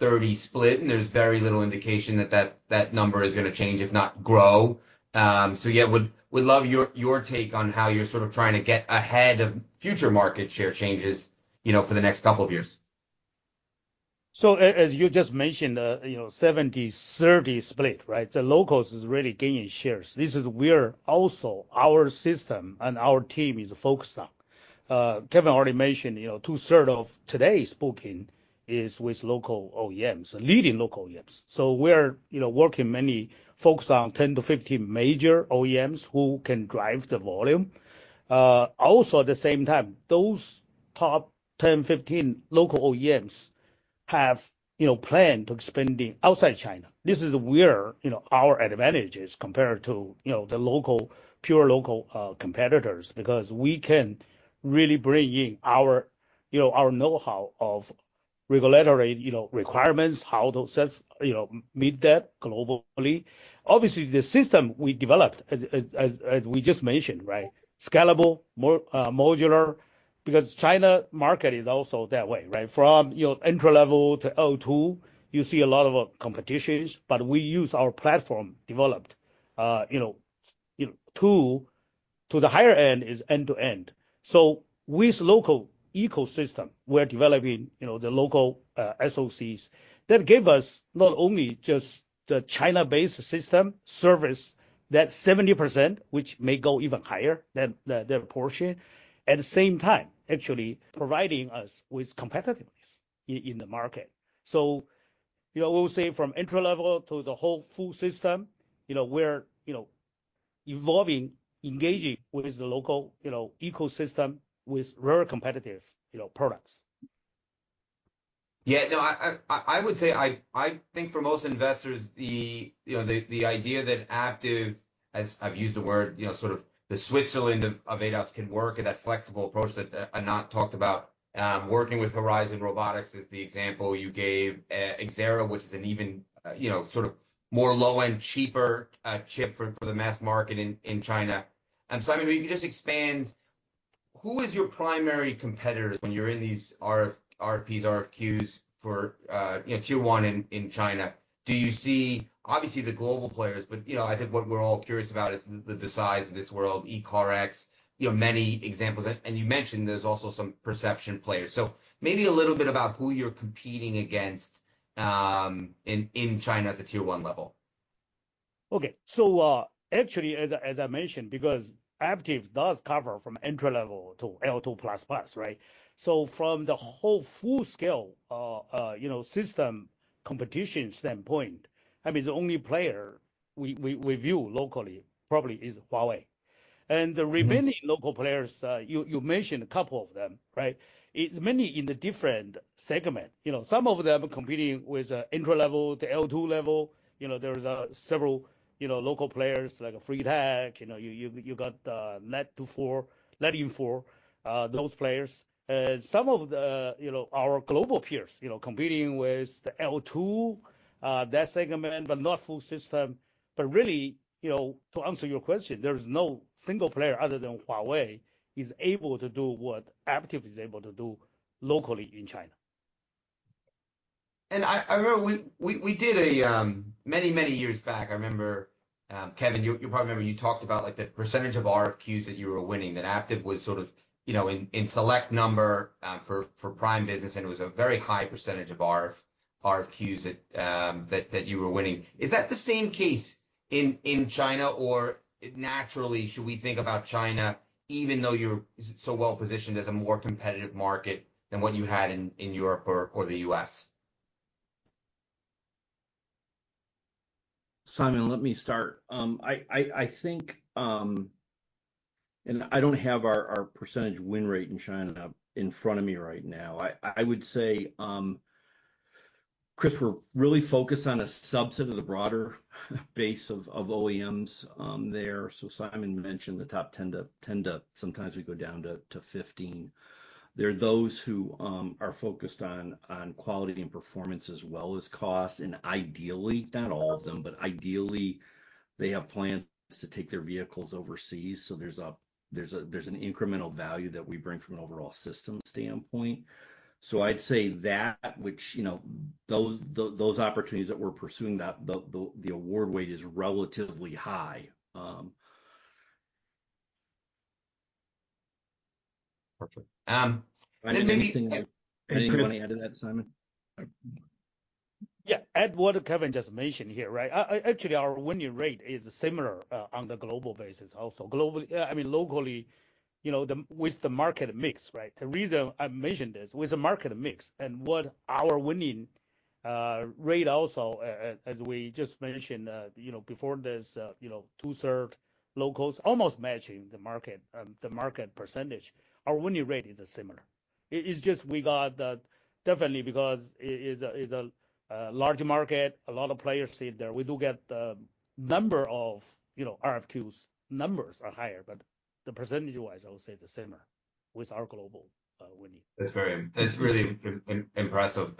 70/30 split, and there's very little indication that that number is gonna change, if not grow. So yeah, would love your take on how you're sort of trying to get ahead of future market share changes, you know, for the next couple of years. So as you just mentioned, you know, 70/30 split, right? The locals is really gaining shares. This is where also our system and our team is focused on. Kevin already mentioned, you know, two-thirds of today's booking is with local OEMs, leading local OEMs. So we're, you know, working many focused on 10 to 15 major OEMs who can drive the volume. Also, at the same time, those top 10, 15 local OEMs have, you know, planned to expanding outside China. This is where, you know, our advantage is compared to, you know, the local, pure local, competitors, because we can really bring in our, you know, our know-how of regulatory, you know, requirements, how to, you know, meet that globally. Obviously, the system we developed, as we just mentioned, right, scalable, modular, because China market is also that way, right? From, you know, entry level to L2, you see a lot of competitions, but we use our platform developed to the higher end is end-to-end. So with local ecosystem, we're developing, you know, the local SoCs. That give us not only just the China-based system service, that 70%, which may go even higher, than the portion, at the same time, actually providing us with competitiveness in the market. So, you know, we'll say from entry level to the whole full system, you know, we're, you know, evolving, engaging with the local, you know, ecosystem with very competitive, you know, products. Yeah, no, I would say, I think for most investors, you know, the idea that Aptiv, as I've used the word, you know, sort of the Switzerland of ADAS can work, and that flexible approach that Anant talked about, working with Horizon Robotics is the example you gave, Axera, which is an even, you know, sort of more low-end, cheaper chip for the mass market in China. Simon, if you could just expand, who is your primary competitors when you're in these RFPs, RFQs for, you know, tier one in China? Do you see... Obviously, the global players, but, you know, I think what we're all curious about is the size of this world, Evercore, you know, many examples. And you mentioned there's also some perception players. So maybe a little bit about who you're competing against in China at the tier one level. Okay, so, actually, as I mentioned, because Active does cover from entry level to L2++, right? So from the whole full scale, you know, system competition standpoint, I mean, the only player we view locally probably is Huawei. And the remaining local players, you mentioned a couple of them, right? It's many in the different segment. You know, some of them are competing with entry level, the L2 level. You know, there is several local players, like Freetech, you know, you got NettFour, those players. Some of the our global peers, you know, competing with the L2 that segment, but not full system. But really, you know, to answer your question, there is no single player, other than Huawei, is able to do what Aptiv is able to do locally in China. And I remember we did many, many years back. I remember, Kevin, you probably remember. You talked about, like, the percentage of RFQs that you were winning, that Aptiv was sort of, you know, in select number for prime business, and it was a very high percentage of RFQs that you were winning. Is that the same case in China, or naturally, should we think about China, even though you're so well positioned as a more competitive market than what you had in Europe or the US? Simon, let me start. I think, and I don't have our percentage win rate in China in front of me right now. I would say, Chris, we're really focused on a subset of the broader base of OEMs there. So Simon mentioned the top 10 to 10 to... Sometimes we go down to 15. They're those who are focused on quality and performance as well as cost, and ideally, not all of them, but ideally, they have plans to take their vehicles overseas. So there's an incremental value that we bring from an overall system standpoint. So I'd say that, which, you know, those opportunities that we're pursuing, that the award rate is relatively high. Perfect, um- Anything you want to add to that, Simon? Yeah. Add what Kevin just mentioned here, right? Actually, our winning rate is similar on the global basis also. Globally, I mean, locally, you know, with the market mix, right? The reason I mentioned this, with the market mix and what our winning rate also, as we just mentioned, you know, before this, you know, two-thirds locals, almost matching the market, the market percentage. Our winning rate is similar.... It's just we got definitely because it's a large market, a lot of players sit there. We do get number of, you know, RFQs. Numbers are higher, but the percentage-wise, I would say the same with our global winning. That's really impressive.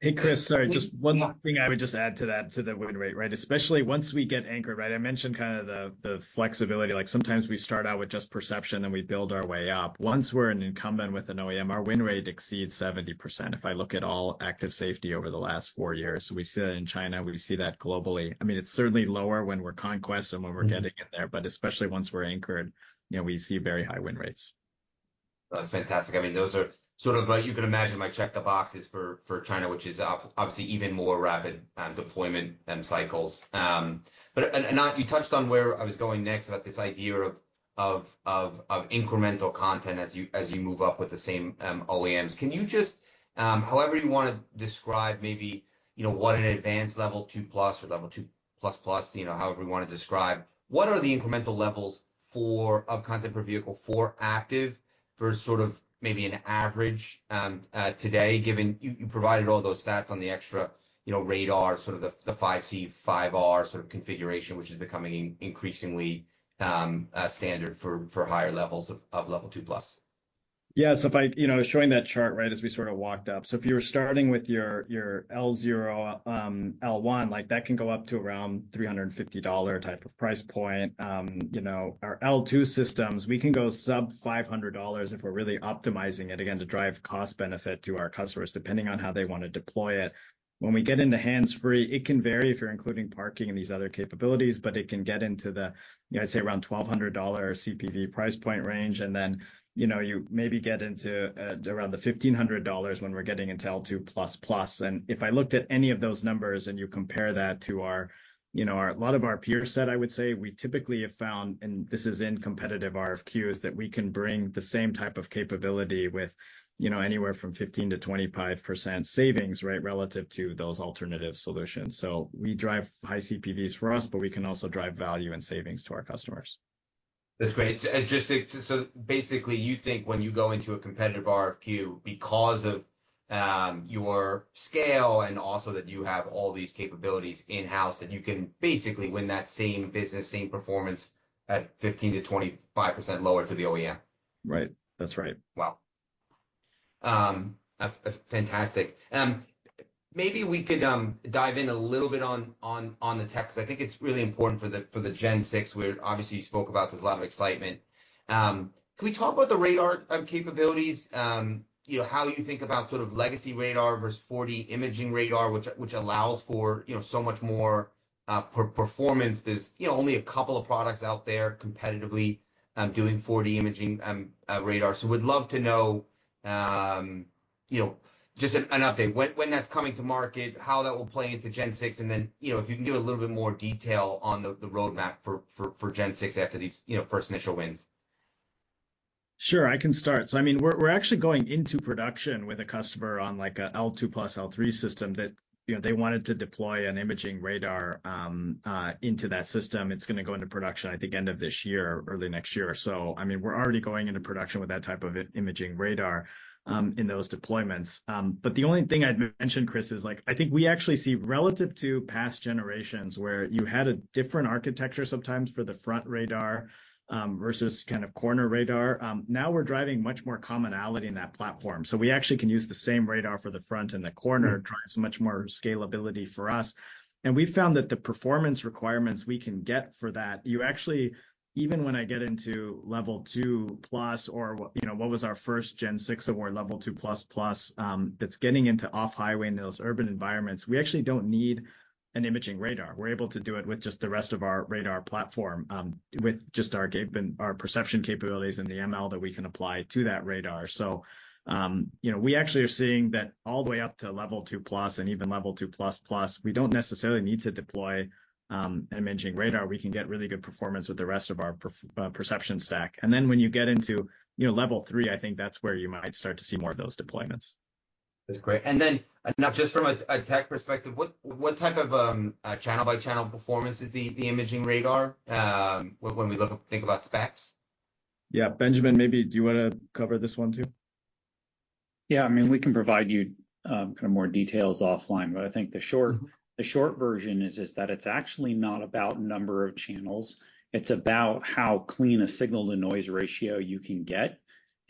Hey, Chris, sorry, just one more thing I would just add to that, to the win rate, right? Especially once we get anchored, right? I mentioned kind of the, the flexibility. Like, sometimes we start out with just perception, then we build our way up. Once we're an incumbent with an OEM, our win rate exceeds 70% if I look at all active safety over the last four years. We see that in China, we see that globally. I mean, it's certainly lower when we're conquest or when we're getting in there. But especially once we're anchored, you know, we see very high win rates. That's fantastic. I mean, those are sort of like, you can imagine, my check the boxes for, for China, which is obviously even more rapid deployment than cycles. But and you touched on where I was going next, about this idea of incremental content as you, as you move up with the same OEMs. Can you just however you wanna describe maybe, you know, what an advanced Level 2+ or Level 2++, you know, however you wanna describe, what are the incremental levels for of content per vehicle for active, for sort of maybe an average today, given you provided all those stats on the extra, you know, radar, sort of the five C, five R sort of configuration, which is becoming increasingly standard for higher levels of Level Two plus? Yeah. So if I, you know, showing that chart, right, as we sort of walked up. So if you were starting with your, your L0, L1, like, that can go up to around $350 type of price point. You know, our L2 systems, we can go sub-$500 if we're really optimizing it, again, to drive cost benefit to our customers, depending on how they wanna deploy it. When we get into hands-free, it can vary if you're including parking and these other capabilities, but it can get into the, I'd say, around $1,200 CPV price point range. And then, you know, you maybe get into, around the $1,500 when we're getting into L2++. If I looked at any of those numbers, and you compare that to our, you know, our, a lot of our peer set, I would say we typically have found, and this is in competitive RFQs, that we can bring the same type of capability with, you know, anywhere from 15%-25% savings, right, relative to those alternative solutions. So we drive high CPVs for us, but we can also drive value and savings to our customers. That's great. And just to, so basically, you think when you go into a competitive RFQ because of your scale and also that you have all these capabilities in-house, that you can basically win that same business, same performance at 15%-25% lower to the OEM? Right. That's right. Wow! That's fantastic. Maybe we could dive in a little bit on the tech, because I think it's really important for the gen six, where obviously you spoke about, there's a lot of excitement. Can we talk about the radar capabilities? You know, how you think about sort of legacy radar versus 4D imaging radar, which allows for, you know, so much more performance. There's only a couple of products out there competitively doing 4D imaging radar. So would love to know just an update. When that's coming to market, how that will play into Gen 6, and then, you know, if you can give a little bit more detail on the roadmap for Gen 6 after these first initial wins. Sure, I can start. So I mean, we're actually going into production with a customer on, like, a L2 plus L3 system that, you know, they wanted to deploy an imaging radar into that system. It's gonna go into production, I think, end of this year or early next year. So, I mean, we're already going into production with that type of imaging radar in those deployments. But the only thing I'd mention, Chris, is, like, I think we actually see relative to past generations, where you had a different architecture sometimes for the front radar versus kind of corner radar. Now we're driving much more commonality in that platform. So we actually can use the same radar for the front and the corner, drives much more scalability for us. We found that the performance requirements we can get for that, you actually even when I get into level two plus or what, you know, what was our first gen six or level two plus, plus, that's getting into on-highway in those urban environments, we actually don't need an imaging radar. We're able to do it with just the rest of our radar platform, with just our perception capabilities and the ML that we can apply to that radar. You know, we actually are seeing that all the way up to Level2+ and even Level2++, we don't necessarily need to deploy an imaging radar. We can get really good performance with the rest of our perception stack. Then when you get into, you know, Level3, I think that's where you might start to see more of those deployments. That's great. And then, now just from a tech perspective, what type of channel-by-channel performance is the imaging radar, when we look, think about specs? Yeah, Benjamin, maybe, do you wanna cover this one, too? Yeah, I mean, we can provide you kind of more details offline, but I think the short- Mm-hmm ... the short version is, is that it's actually not about number of channels. It's about how clean a signal-to-noise ratio you can get,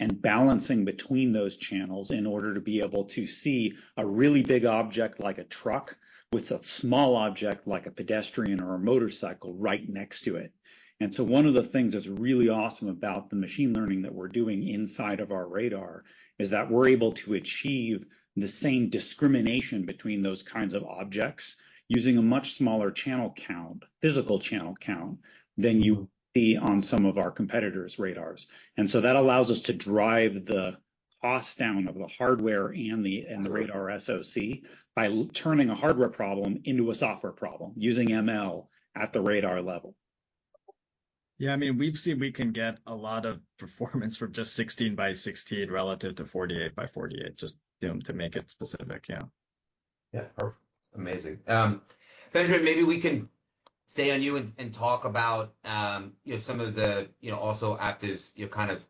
and balancing between those channels in order to be able to see a really big object like a truck, with a small object, like a pedestrian or a motorcycle, right next to it. And so one of the things that's really awesome about the machine learning that we're doing inside of our radar is that we're able to achieve the same discrimination between those kinds of objects using a much smaller channel count, physical channel count, than you see on some of our competitors' radars. And so that allows us to drive the cost down of the hardware and the radar SoC, by turning a hardware problem into a software problem using ML at the radar level. Yeah, I mean, we've seen we can get a lot of performance from just 16 by 16 relative to 48 by 48, just, you know, to make it specific. Yeah. Yeah, perfect. Amazing. Benjamin, maybe we can stay on you and talk about, you know, some of the, you know, also Aptiv's, you know, kind of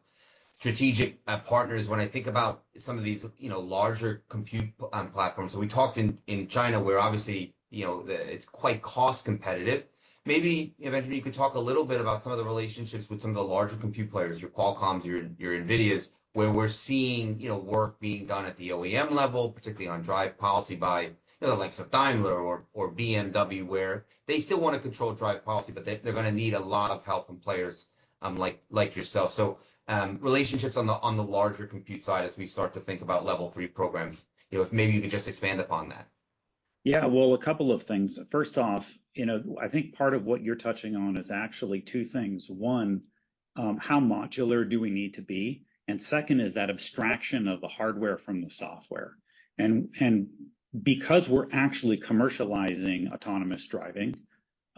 strategic partners. When I think about some of these, you know, larger compute platforms. So we talked in China, where obviously, you know, the, it's quite cost competitive. Maybe, Benjamin, you could talk a little bit about some of the relationships with some of the larger compute players, your Qualcomms, your NVIDIAs, where we're seeing, you know, work being done at the OEM level, particularly on drive policy by, you know, the likes of Daimler or BMW, where they still want to control drive policy, but they, they're gonna need a lot of help from players like yourself. So, relationships on the larger compute side as we start to think about level three programs, you know, if maybe you can just expand upon that. Yeah, well, a couple of things. First off, you know, I think part of what you're touching on is actually two things. One, how modular do we need to be? And second is that abstraction of the hardware from the software. And because we're actually commercializing autonomous driving,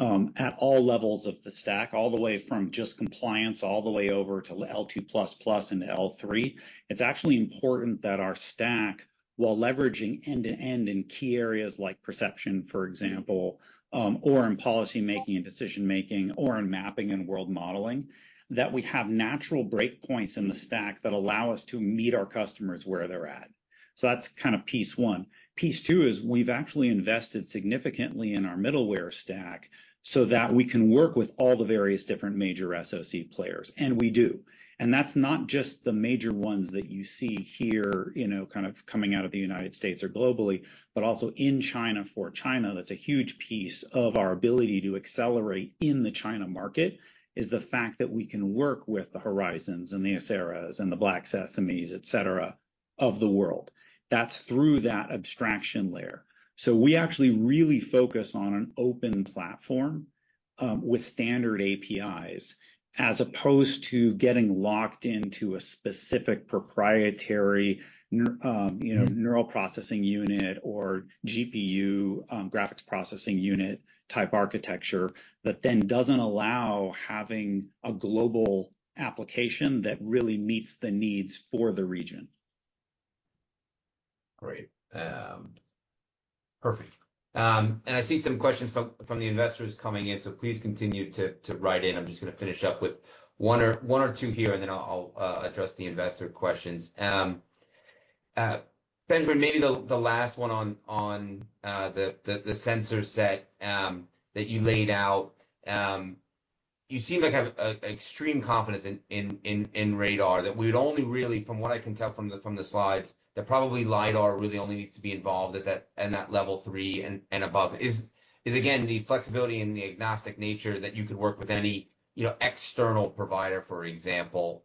at all levels of the stack, all the way from just compliance, all the way over to L2++ into L3, it's actually important that our stack, while leveraging end-to-end in key areas like perception, for example, or in policymaking and decision-making, or in mapping and world modeling, that we have natural breakpoints in the stack that allow us to meet our customers where they're at. So that's kind of piece one. Piece two is we've actually invested significantly in our middleware stack so that we can work with all the various different major SoC players, and we do. And that's not just the major ones that you see here, you know, kind of coming out of the United States or globally, but also in China. For China, that's a huge piece of our ability to accelerate in the China market, is the fact that we can work with the Horizons and the Axeras and the Black Sesames, et cetera, of the world. That's through that abstraction layer. So we actually really focus on an open platform with standard APIs, as opposed to getting locked into a specific proprietary neural processing unit or GPU, graphics processing unit, type architecture, that then doesn't allow having a global application that really meets the needs for the region. Great. Perfect. I see some questions from the investors coming in, so please continue to write in. I'm just gonna finish up with one or two here, and then I'll address the investor questions. Benjamin, maybe the last one on the sensor set that you laid out. You seem like you have extreme confidence in radar. That we'd only really, from what I can tell from the slides, that probably LiDAR really only needs to be involved at that, in that Level 3 and above. Is again, the flexibility and the agnostic nature that you could work with any, you know, external provider, for example,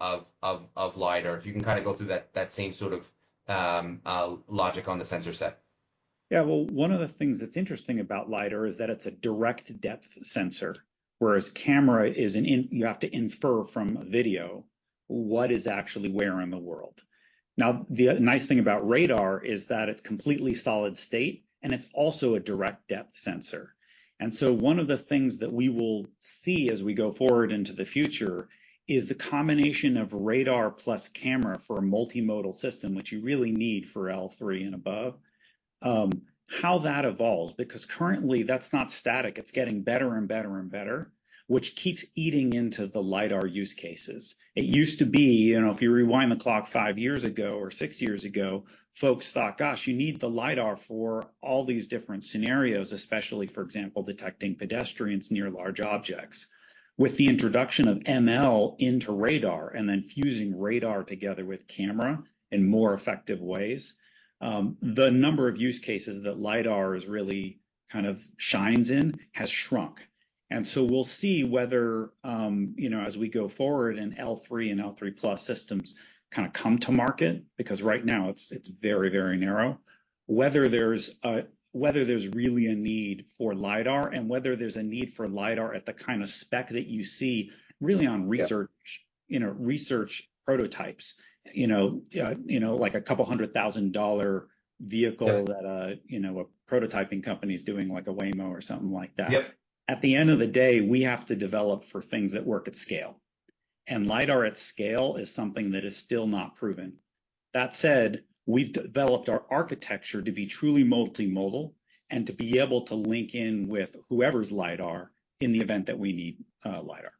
of LiDAR, if you can kind of go through that same sort of logic on the sensor set. Yeah. Well, one of the things that's interesting about LiDAR is that it's a direct depth sensor, whereas camera is an indirect; you have to infer from a video what is actually where in the world. Now, the nice thing about radar is that it's completely solid state, and it's also a direct depth sensor. And so one of the things that we will see as we go forward into the future is the combination of radar plus camera for a multimodal system, which you really need for L3 and above. How that evolves, because currently that's not static, it's getting better and better and better, which keeps eating into the LiDAR use cases. It used to be, you know, if you rewind the clock five years ago or six years ago, folks thought, "Gosh, you need the LiDAR for all these different scenarios, especially, for example, detecting pedestrians near large objects." With the introduction of ML into radar, and then fusing radar together with camera in more effective ways, the number of use cases that LiDAR is really, kind of shines in, has shrunk. And so we'll see whether, you know, as we go forward in L3 and L3 plus systems kind of come to market, because right now it's, it's very, very narrow. Whether there's really a need for LiDAR, and whether there's a need for LiDAR at the kind of spec that you see really on research- Yeah... you know, research prototypes, you know, you know, like a $200,000 vehicle- Yeah - that, you know, a prototyping company is doing, like a Waymo or something like that. Yep. At the end of the day, we have to develop for things that work at scale. And LiDAR at scale is something that is still not proven. That said, we've developed our architecture to be truly multimodal and to be able to link in with whoever's LiDAR in the event that we need LiDAR.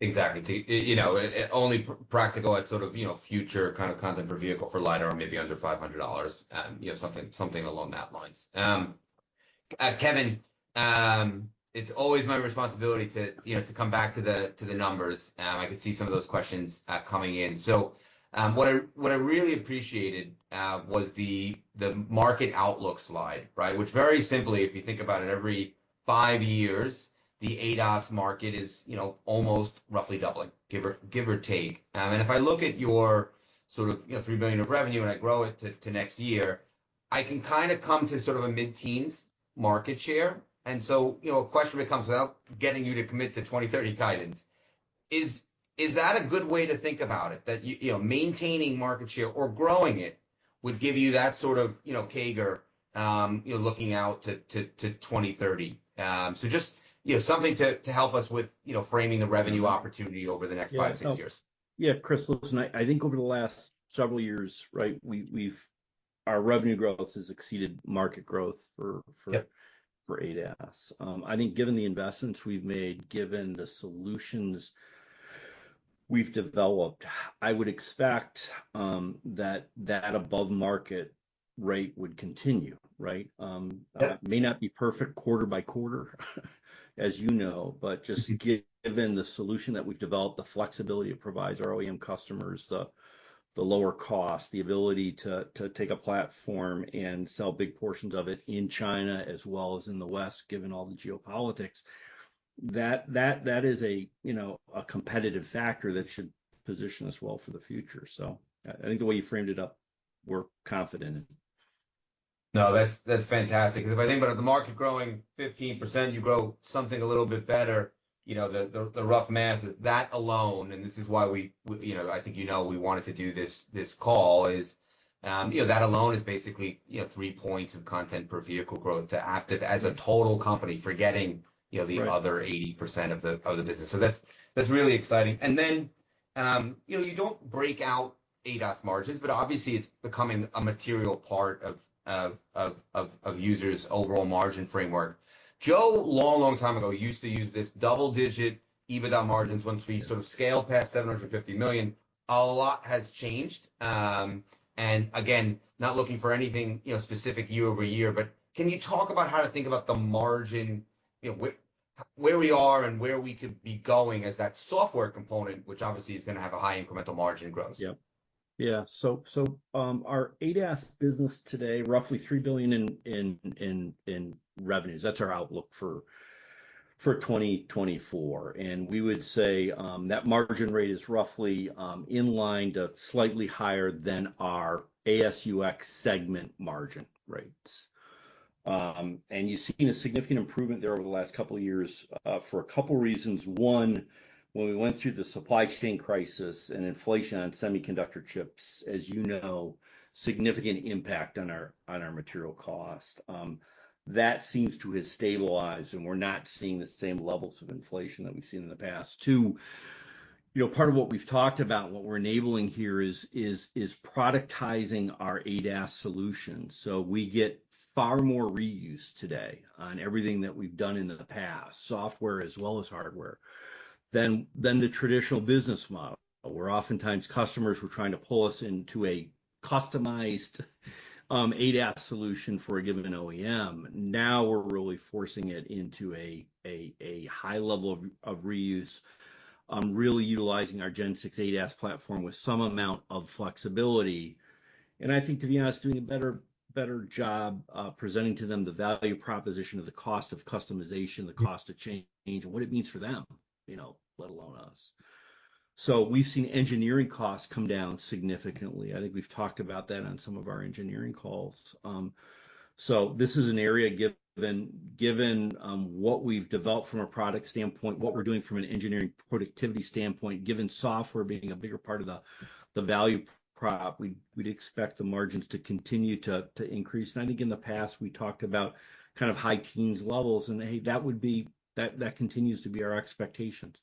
Exactly. The, you know, only practical at sort of, you know, future kind of content per vehicle for LiDAR, maybe under $500, you know, something along those lines. Kevin, it's always my responsibility to, you know, to come back to the numbers. I can see some of those questions coming in. So, what I really appreciated was the market outlook slide, right? Which very simply, if you think about it, every five years, the ADAS market is, you know, almost roughly doubling, give or take. And if I look at your sort of, you know, $3 billion of revenue and I grow it to next year, I can kind of come to sort of a mid-teens market share. And so, you know, a question that comes without getting you to commit to 2030 guidance is that a good way to think about it? That you know, maintaining market share or growing it, would give you that sort of, you know, CAGR, you know, looking out to 2030. So just, you know, something to help us with, you know, framing the revenue opportunity over the next five, six years. Yeah, Chris, listen, I think over the last several years, right, we've-... our revenue growth has exceeded market growth for Yeah - for ADAS. I think given the investments we've made, given the solutions we've developed, I would expect that that above market rate would continue, right? Yeah. It may not be perfect quarter by quarter, as you know, but just to given the solution that we've developed, the flexibility it provides our OEM customers, the lower cost, the ability to take a platform and sell big portions of it in China as well as in the West, given all the geopolitics, that is a, you know, a competitive factor that should position us well for the future. So I think the way you framed it up, we're confident in it. No, that's fantastic. Because if I think about the market growing 15%, you grow something a little bit better, you know, the rough math, that alone, and this is why we, you know, I think you know we wanted to do this call, is, you know, that alone is basically, you know, three points of content per vehicle growth to Aptiv as a total company, forgetting, you know- Right... the other 80% of the business. So that's really exciting. And then, you know, you don't break out ADAS margins, but obviously, it's becoming a material part of users' overall margin framework. Joe, long, long time ago, used to use this double-digit EBITDA margins once- Yeah... we sort of scaled past $750 million. A lot has changed, and again, not looking for anything, you know, specific year over year, but can you talk about how to think about the margin, you know, where, where we are and where we could be going as that software component, which obviously is gonna have a high incremental margin growth? Yeah. Yeah. So, our ADAS business today, roughly $3 billion in revenues. That's our outlook for 2024. And we would say, that margin rate is roughly in line to slightly higher than our AS&UX segment margin rates. And you've seen a significant improvement there over the last couple of years, for a couple reasons. One, when we went through the supply chain crisis and inflation on semiconductor chips, as you know, significant impact on our material cost. That seems to have stabilized, and we're not seeing the same levels of inflation that we've seen in the past. Two, you know, part of what we've talked about, what we're enabling here is productizing our ADAS solution. So we get far more reuse today on everything that we've done in the past, software as well as hardware, than the traditional business model, where oftentimes customers were trying to pull us into a customized ADAS solution for a given OEM. Now, we're really forcing it into a high level of reuse, really utilizing our Gen 6 ADAS platform with some amount of flexibility. And I think, to be honest, doing a better job presenting to them the value proposition of the cost of customization, the cost of change, and what it means for them, you know, let alone us. So we've seen engineering costs come down significantly. I think we've talked about that on some of our engineering calls. So this is an area, given what we've developed from a product standpoint, what we're doing from an engineering productivity standpoint, given software being a bigger part of the value prop. We'd expect the margins to continue to increase. And I think in the past, we talked about kind of high teens levels, and hey, that continues to be our expectations.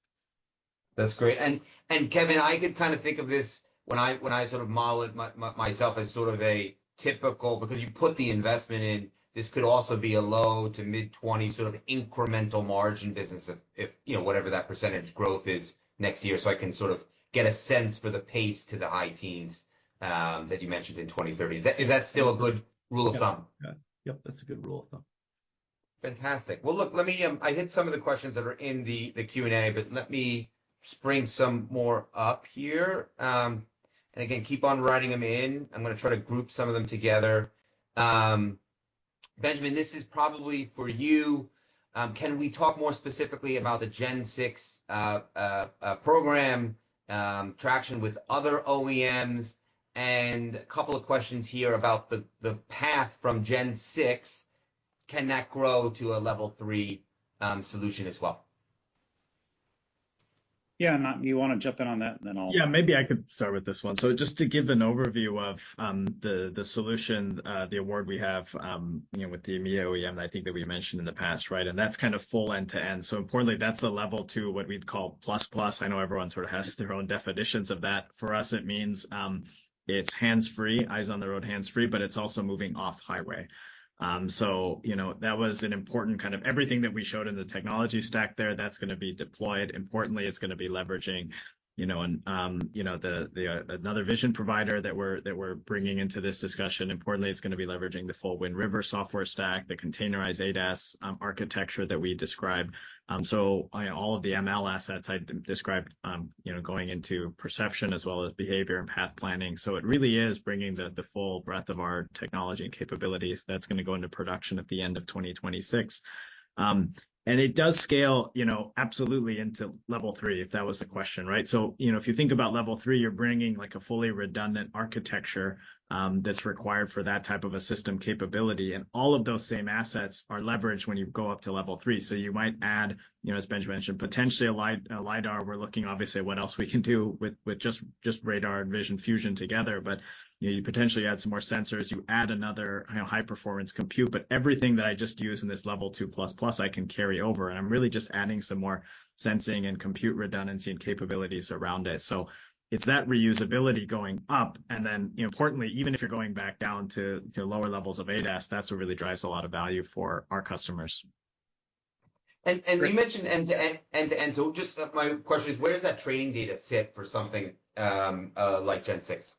That's great, and Kevin, I could kind of think of this when I, when I sort of model it myself as sort of a typical. Because you put the investment in, this could also be a low to mid-twenty sort of incremental margin business if, you know, whatever that percentage growth is next year. So I can sort of get a sense for the pace to the high teens, that you mentioned in 2030. Is that still a good rule of thumb? Yeah. Yeah. Yep, that's a good rule of thumb. Fantastic. Well, look, let me, I hit some of the questions that are in the, the Q&A, but let me just bring some more up here. And again, keep on writing them in. I'm gonna try to group some of them together. Benjamin, this is probably for you. Can we talk more specifically about the Gen 6 program, traction with other OEMs? And a couple of questions here about the, the path from Gen 6, can that grow to a Level 3 solution as well? Yeah, Matt, you want to jump in on that, and then I'll- Yeah, maybe I could start with this one. So just to give an overview of the solution, the award we have, you know, with the EMEA OEM, I think that we mentioned in the past, right? And that's kind of full end-to-end. Importantly, that's a Level 2 what we'd call plus-plus. I know everyone sort of has their own definitions of that. For us, it means it's hands-free, eyes on the road, hands free, but it's also moving off-highway. So you know, that was an important kind of everything that we showed in the technology stack there, that's gonna be deployed. Importantly, it's gonna be leveraging, you know, another vision provider that we're bringing into this discussion. Importantly, it's gonna be leveraging the full Wind River software stack, the containerized ADAS architecture that we described, so all of the ML assets I described, you know, going into perception as well as behavior and path planning, so it really is bringing the full breadth of our technology and capabilities that's gonna go into production at the end of 2026, and it does scale, you know, absolutely into Level 3, if that was the question, right, so you know, if you think about Level 3, you're bringing, like, a fully redundant architecture that's required for that type of a system capability, and all of those same assets are leveraged when you go up to Level 3, so you might add, you know, as Ben mentioned, potentially a LiDAR. We're looking, obviously, what else we can do with just radar and vision fusion together, but you know, you potentially add some more sensors, you add another, you know, high-performance compute, but everything that I just used in this Level two plus-plus, I can carry over, and I'm really just adding some more sensing and compute redundancy and capabilities around it, so it's that reusability going up, and then, importantly, even if you're going back down to lower levels of ADAS, that's what really drives a lot of value for our customers. You mentioned end-to-end, so just my question is, where does that training data sit for something like Gen 6?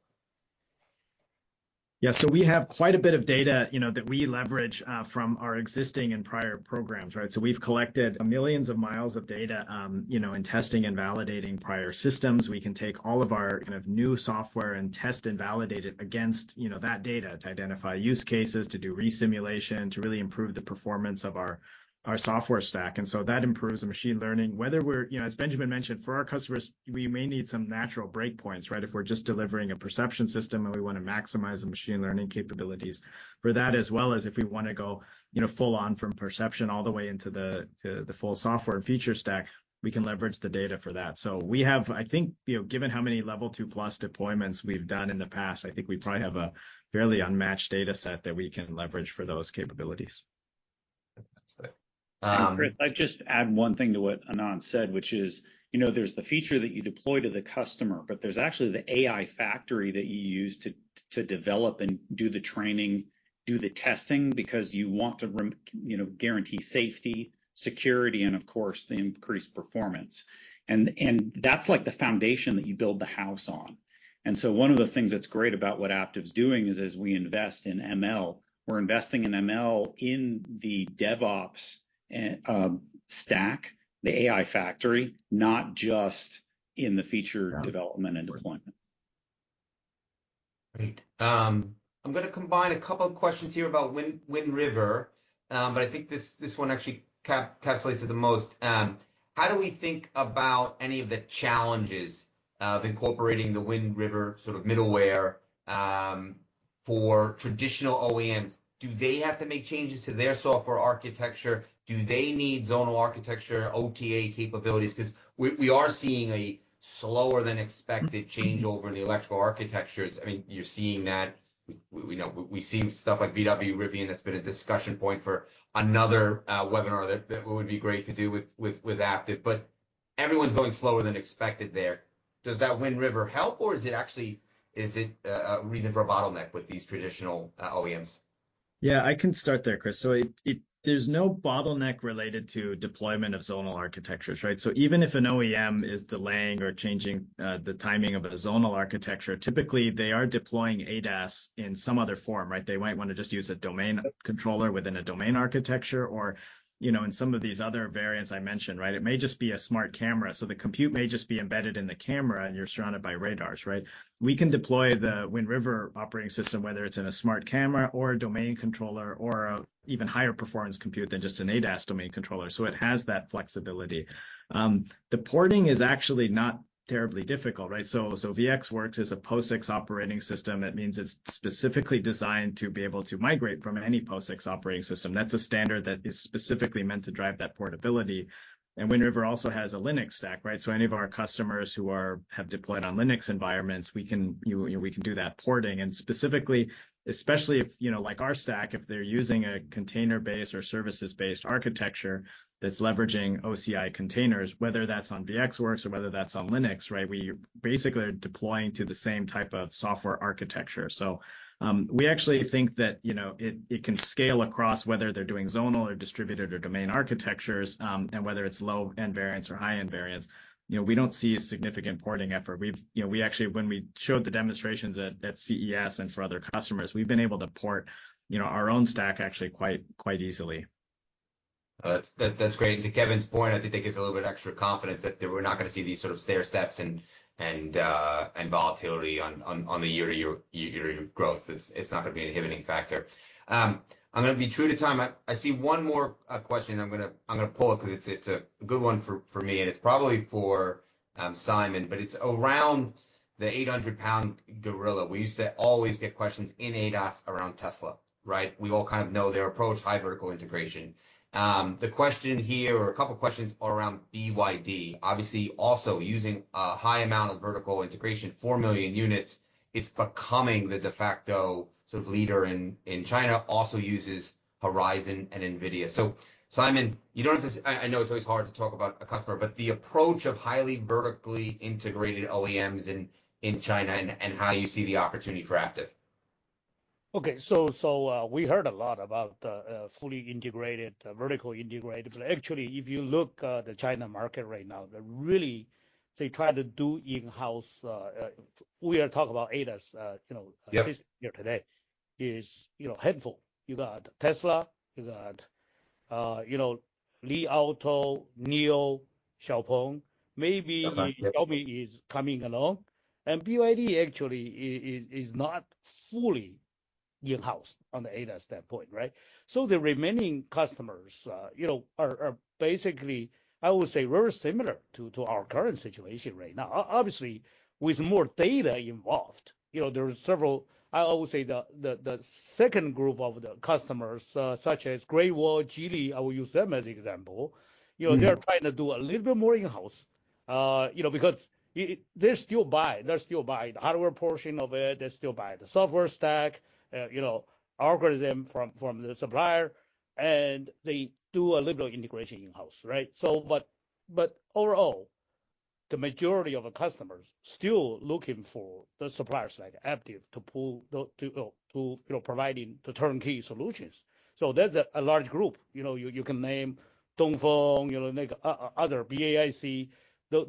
Yeah. So we have quite a bit of data, you know, that we leverage from our existing and prior programs, right? So we've collected millions of miles of data, you know, in testing and validating prior systems. We can take all of our kind of new software and test and validate it against, you know, that data to identify use cases, to do resimulation, to really improve the performance of our, our software stack. And so that improves the machine learning. Whether we're, you know, as Benjamin mentioned, for our customers, we may need some natural breakpoints, right? If we're just delivering a perception system, and we wanna maximize the machine learning capabilities for that, as well as if we wanna go, you know, full-on from perception all the way into the, to the full software and feature stack, we can leverage the data for that. We have, I think, you know, given how many Level 2+ deployments we've done in the past, I think we probably have a fairly unmatched data set that we can leverage for those capabilities. That's it. Chris, I'd just add one thing to what Anant said, which is, you know, there's the feature that you deploy to the customer, but there's actually the AI factory that you use to develop and do the training, do the testing, because you want to re-- you know, guarantee safety, security, and of course, the increased performance. And that's, like, the foundation that you build the house on. And so one of the things that's great about what Aptiv is doing is, as we invest in ML, we're investing in ML in the DevOps and stack, the AI factory, not just in the feature development and deployment. Great. I'm gonna combine a couple of questions here about Wind River, but I think this one actually encapsulates it the most. How do we think about any of the challenges of incorporating the Wind River sort of middleware for traditional OEMs? Do they have to make changes to their software architecture? Do they need zonal architecture, OTA capabilities? Because we are seeing a slower than expected changeover in the electrical architectures. I mean, you're seeing that, we know, we see stuff like VW, Rivian, that's been a discussion point for another webinar that would be great to do with Aptiv. But everyone's going slower than expected there. Does that Wind River help, or is it actually a reason for a bottleneck with these traditional OEMs? Yeah, I can start there, Chris. So there's no bottleneck related to deployment of zonal architectures, right? So even if an OEM is delaying or changing the timing of a zonal architecture, typically, they are deploying ADAS in some other form, right? They might wanna just use a domain controller within a domain architecture, or, you know, in some of these other variants I mentioned, right? It may just be a smart camera. So the compute may just be embedded in the camera, and you're surrounded by radars, right? We can deploy the Wind River operating system, whether it's in a smart camera or a domain controller or an even higher performance compute than just an ADAS domain controller. So it has that flexibility. The porting is actually not terribly difficult, right? So VxWorks is a POSIX operating system. That means it's specifically designed to be able to migrate from any POSIX operating system. That's a standard that is specifically meant to drive that portability, and Wind River also has a Linux stack, right? So any of our customers who are, have deployed on Linux environments, we can, you know, we can do that porting. And specifically, especially if, you know, like our stack, if they're using a container-based or services-based architecture that's leveraging OCI containers, whether that's on VxWorks or whether that's on Linux, right? We basically are deploying to the same type of software architecture, so we actually think that, you know, it can scale across, whether they're doing zonal or distributed or domain architectures, and whether it's low-end variants or high-end variants. You know, we don't see a significant porting effort. We've... You know, we actually, when we showed the demonstrations at CES and for other customers, we've been able to port, you know, our own stack actually quite easily. That’s great. To Kevin’s point, I think it gives a little bit extra confidence that we’re not gonna see these sort of stairsteps and volatility on the year-to-year growth. It’s not gonna be an inhibiting factor. I’m gonna be true to time. I see one more question I’m gonna pull up because it’s a good one for me, and it’s probably for Simon, but it’s around the eight hundred-pound gorilla. We used to always get questions in ADAS around Tesla, right? We all kind of know their approach, high vertical integration. The question here, or a couple of questions, are around BYD. Obviously, also using a high amount of vertical integration, four million units, it’s becoming the de facto sort of leader in China, also uses Horizon and NVIDIA. Simon, you don't have to say. I know it's always hard to talk about a customer, but the approach of highly vertically integrated OEMs in China and how you see the opportunity for Aptiv. Okay. So we heard a lot about the fully integrated, vertically integrated, but actually, if you look, the China market right now, they're really trying to do in-house, we are talking about ADAS, you know- Yeah... here today is, you know, handful. You got Tesla, you got, you know, Li Auto, NIO, XPeng, maybe Xiaomi is coming along. And BYD actually is not fully in-house on the ADAS standpoint, right? So the remaining customers, you know, are basically, I would say, very similar to our current situation right now. Obviously, with more data involved, you know, there are several. I would say the second group of the customers, such as Great Wall, Geely, I will use them as example, you know- Mm-hmm... they are trying to do a little bit more in-house, you know, because it, they still buy, they still buy the hardware portion of it. They still buy the software stack, you know, algorithm from, from the supplier, and they do a little integration in-house, right? So but, but overall... the majority of the customers still looking for the suppliers, like Aptiv, to pull the, to, to, you know, providing the turnkey solutions. So there's a large group. You know, you can name Dongfeng, you know, like, other, BAIC.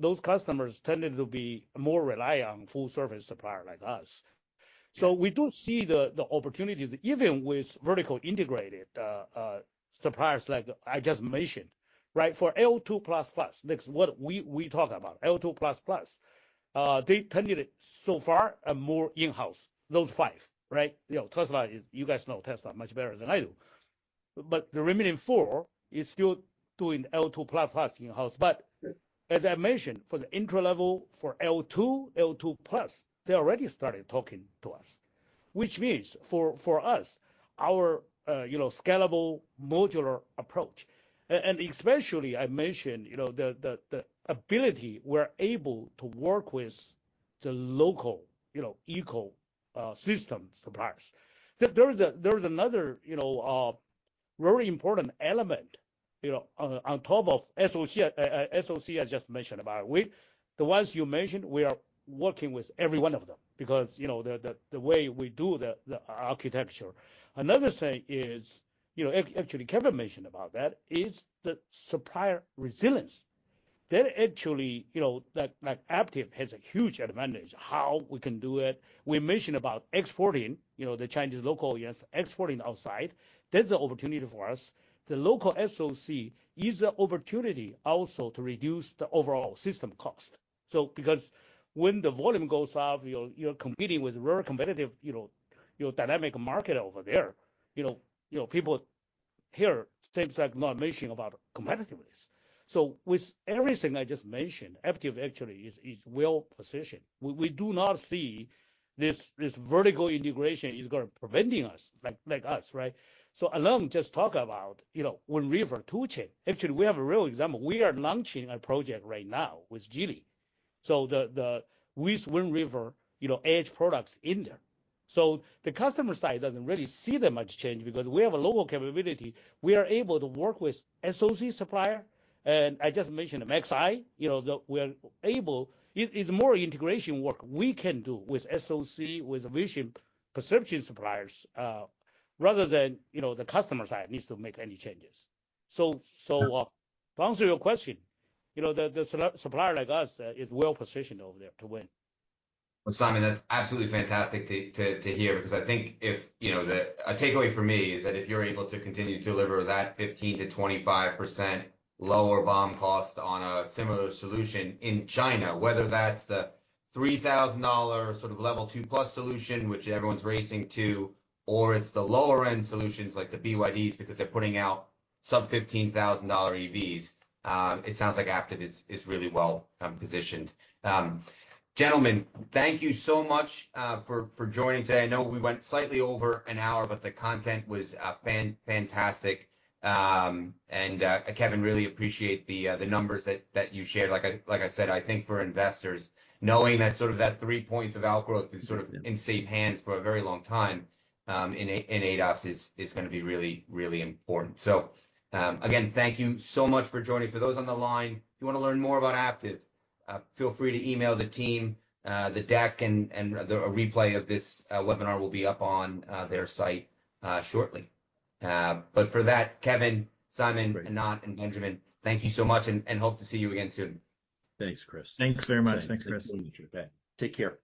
Those customers tended to be more reliant on full service supplier like us. So we do see the opportunities, even with vertically integrated suppliers, like I just mentioned, right? For L2++, next, what we talk about, L2++. They tended it so far, are more in-house, those five, right? You know, Tesla is, you guys know Tesla much better than I do. But the remaining four is still doing L2++ in-house. But as I mentioned, for the entry level, for L2, L2+, they already started talking to us. Which means for us, our, you know, scalable modular approach, and especially I mentioned, you know, the, the, the ability we're able to work with the local, you know, ecosystem suppliers. There is another, you know, very important element, you know, on top of SoC, SoC I just mentioned about. The ones you mentioned, we are working with every one of them because, you know, the way we do the architecture. Another thing is, you know, actually, Kevin mentioned about that, is the supplier resilience. They're actually, you know, like Aptiv has a huge advantage how we can do it. We mentioned about exporting, you know, the Chinese local, yes, exporting outside. There's an opportunity for us. The local SoC is an opportunity also to reduce the overall system cost. So because when the volume goes up, you're competing with very competitive, you know, your dynamic market over there. You know, people here seems like not mentioning about competitiveness. So with everything I just mentioned, Aptiv actually is well positioned. We do not see this vertical integration is gonna preventing us, like us, right? So alone, just talk about, you know, Wind River, toolchain. Actually, we have a real example. We are launching a project right now with Geely. So the with Wind River, you know, edge products in there. So the customer side doesn't really see that much change because we have a lower capability. We are able to work with SoC supplier, and I just mentioned the MaxEye, you know. It's more integration work we can do with SoC, with vision perception suppliers, rather than, you know, the customer side needs to make any changes. So to answer your question, you know, the supplier like us is well positioned over there to win. Well, Simon, that's absolutely fantastic to hear, because I think if, you know, a takeaway for me is that if you're able to continue to deliver that 15%-25% lower BOM cost on a similar solution in China, whether that's the $3,000 sort of Level two plus solution, which everyone's racing to, or it's the lower end solutions like the BYDs, because they're putting out some $15,000 EVs, it sounds like Aptiv is really well positioned. Gentlemen, thank you so much for joining today. I know we went slightly over an hour, but the content was fantastic. And, Kevin, really appreciate the numbers that you shared. Like I said, I think for investors, knowing that sort of, that three points of outgrowth is sort of in safe hands for a very long time, in ADAS is gonna be really, really important. Again, thank you so much for joining. For those on the line, if you want to learn more about Aptiv, feel free to email the team. The deck and the replay of this webinar will be up on their site shortly. But for that, Kevin, Simon, Anant, and Benjamin, thank you so much, and hope to see you again soon. Thanks, Chris. Thanks very much. Thanks, Chris. Take care.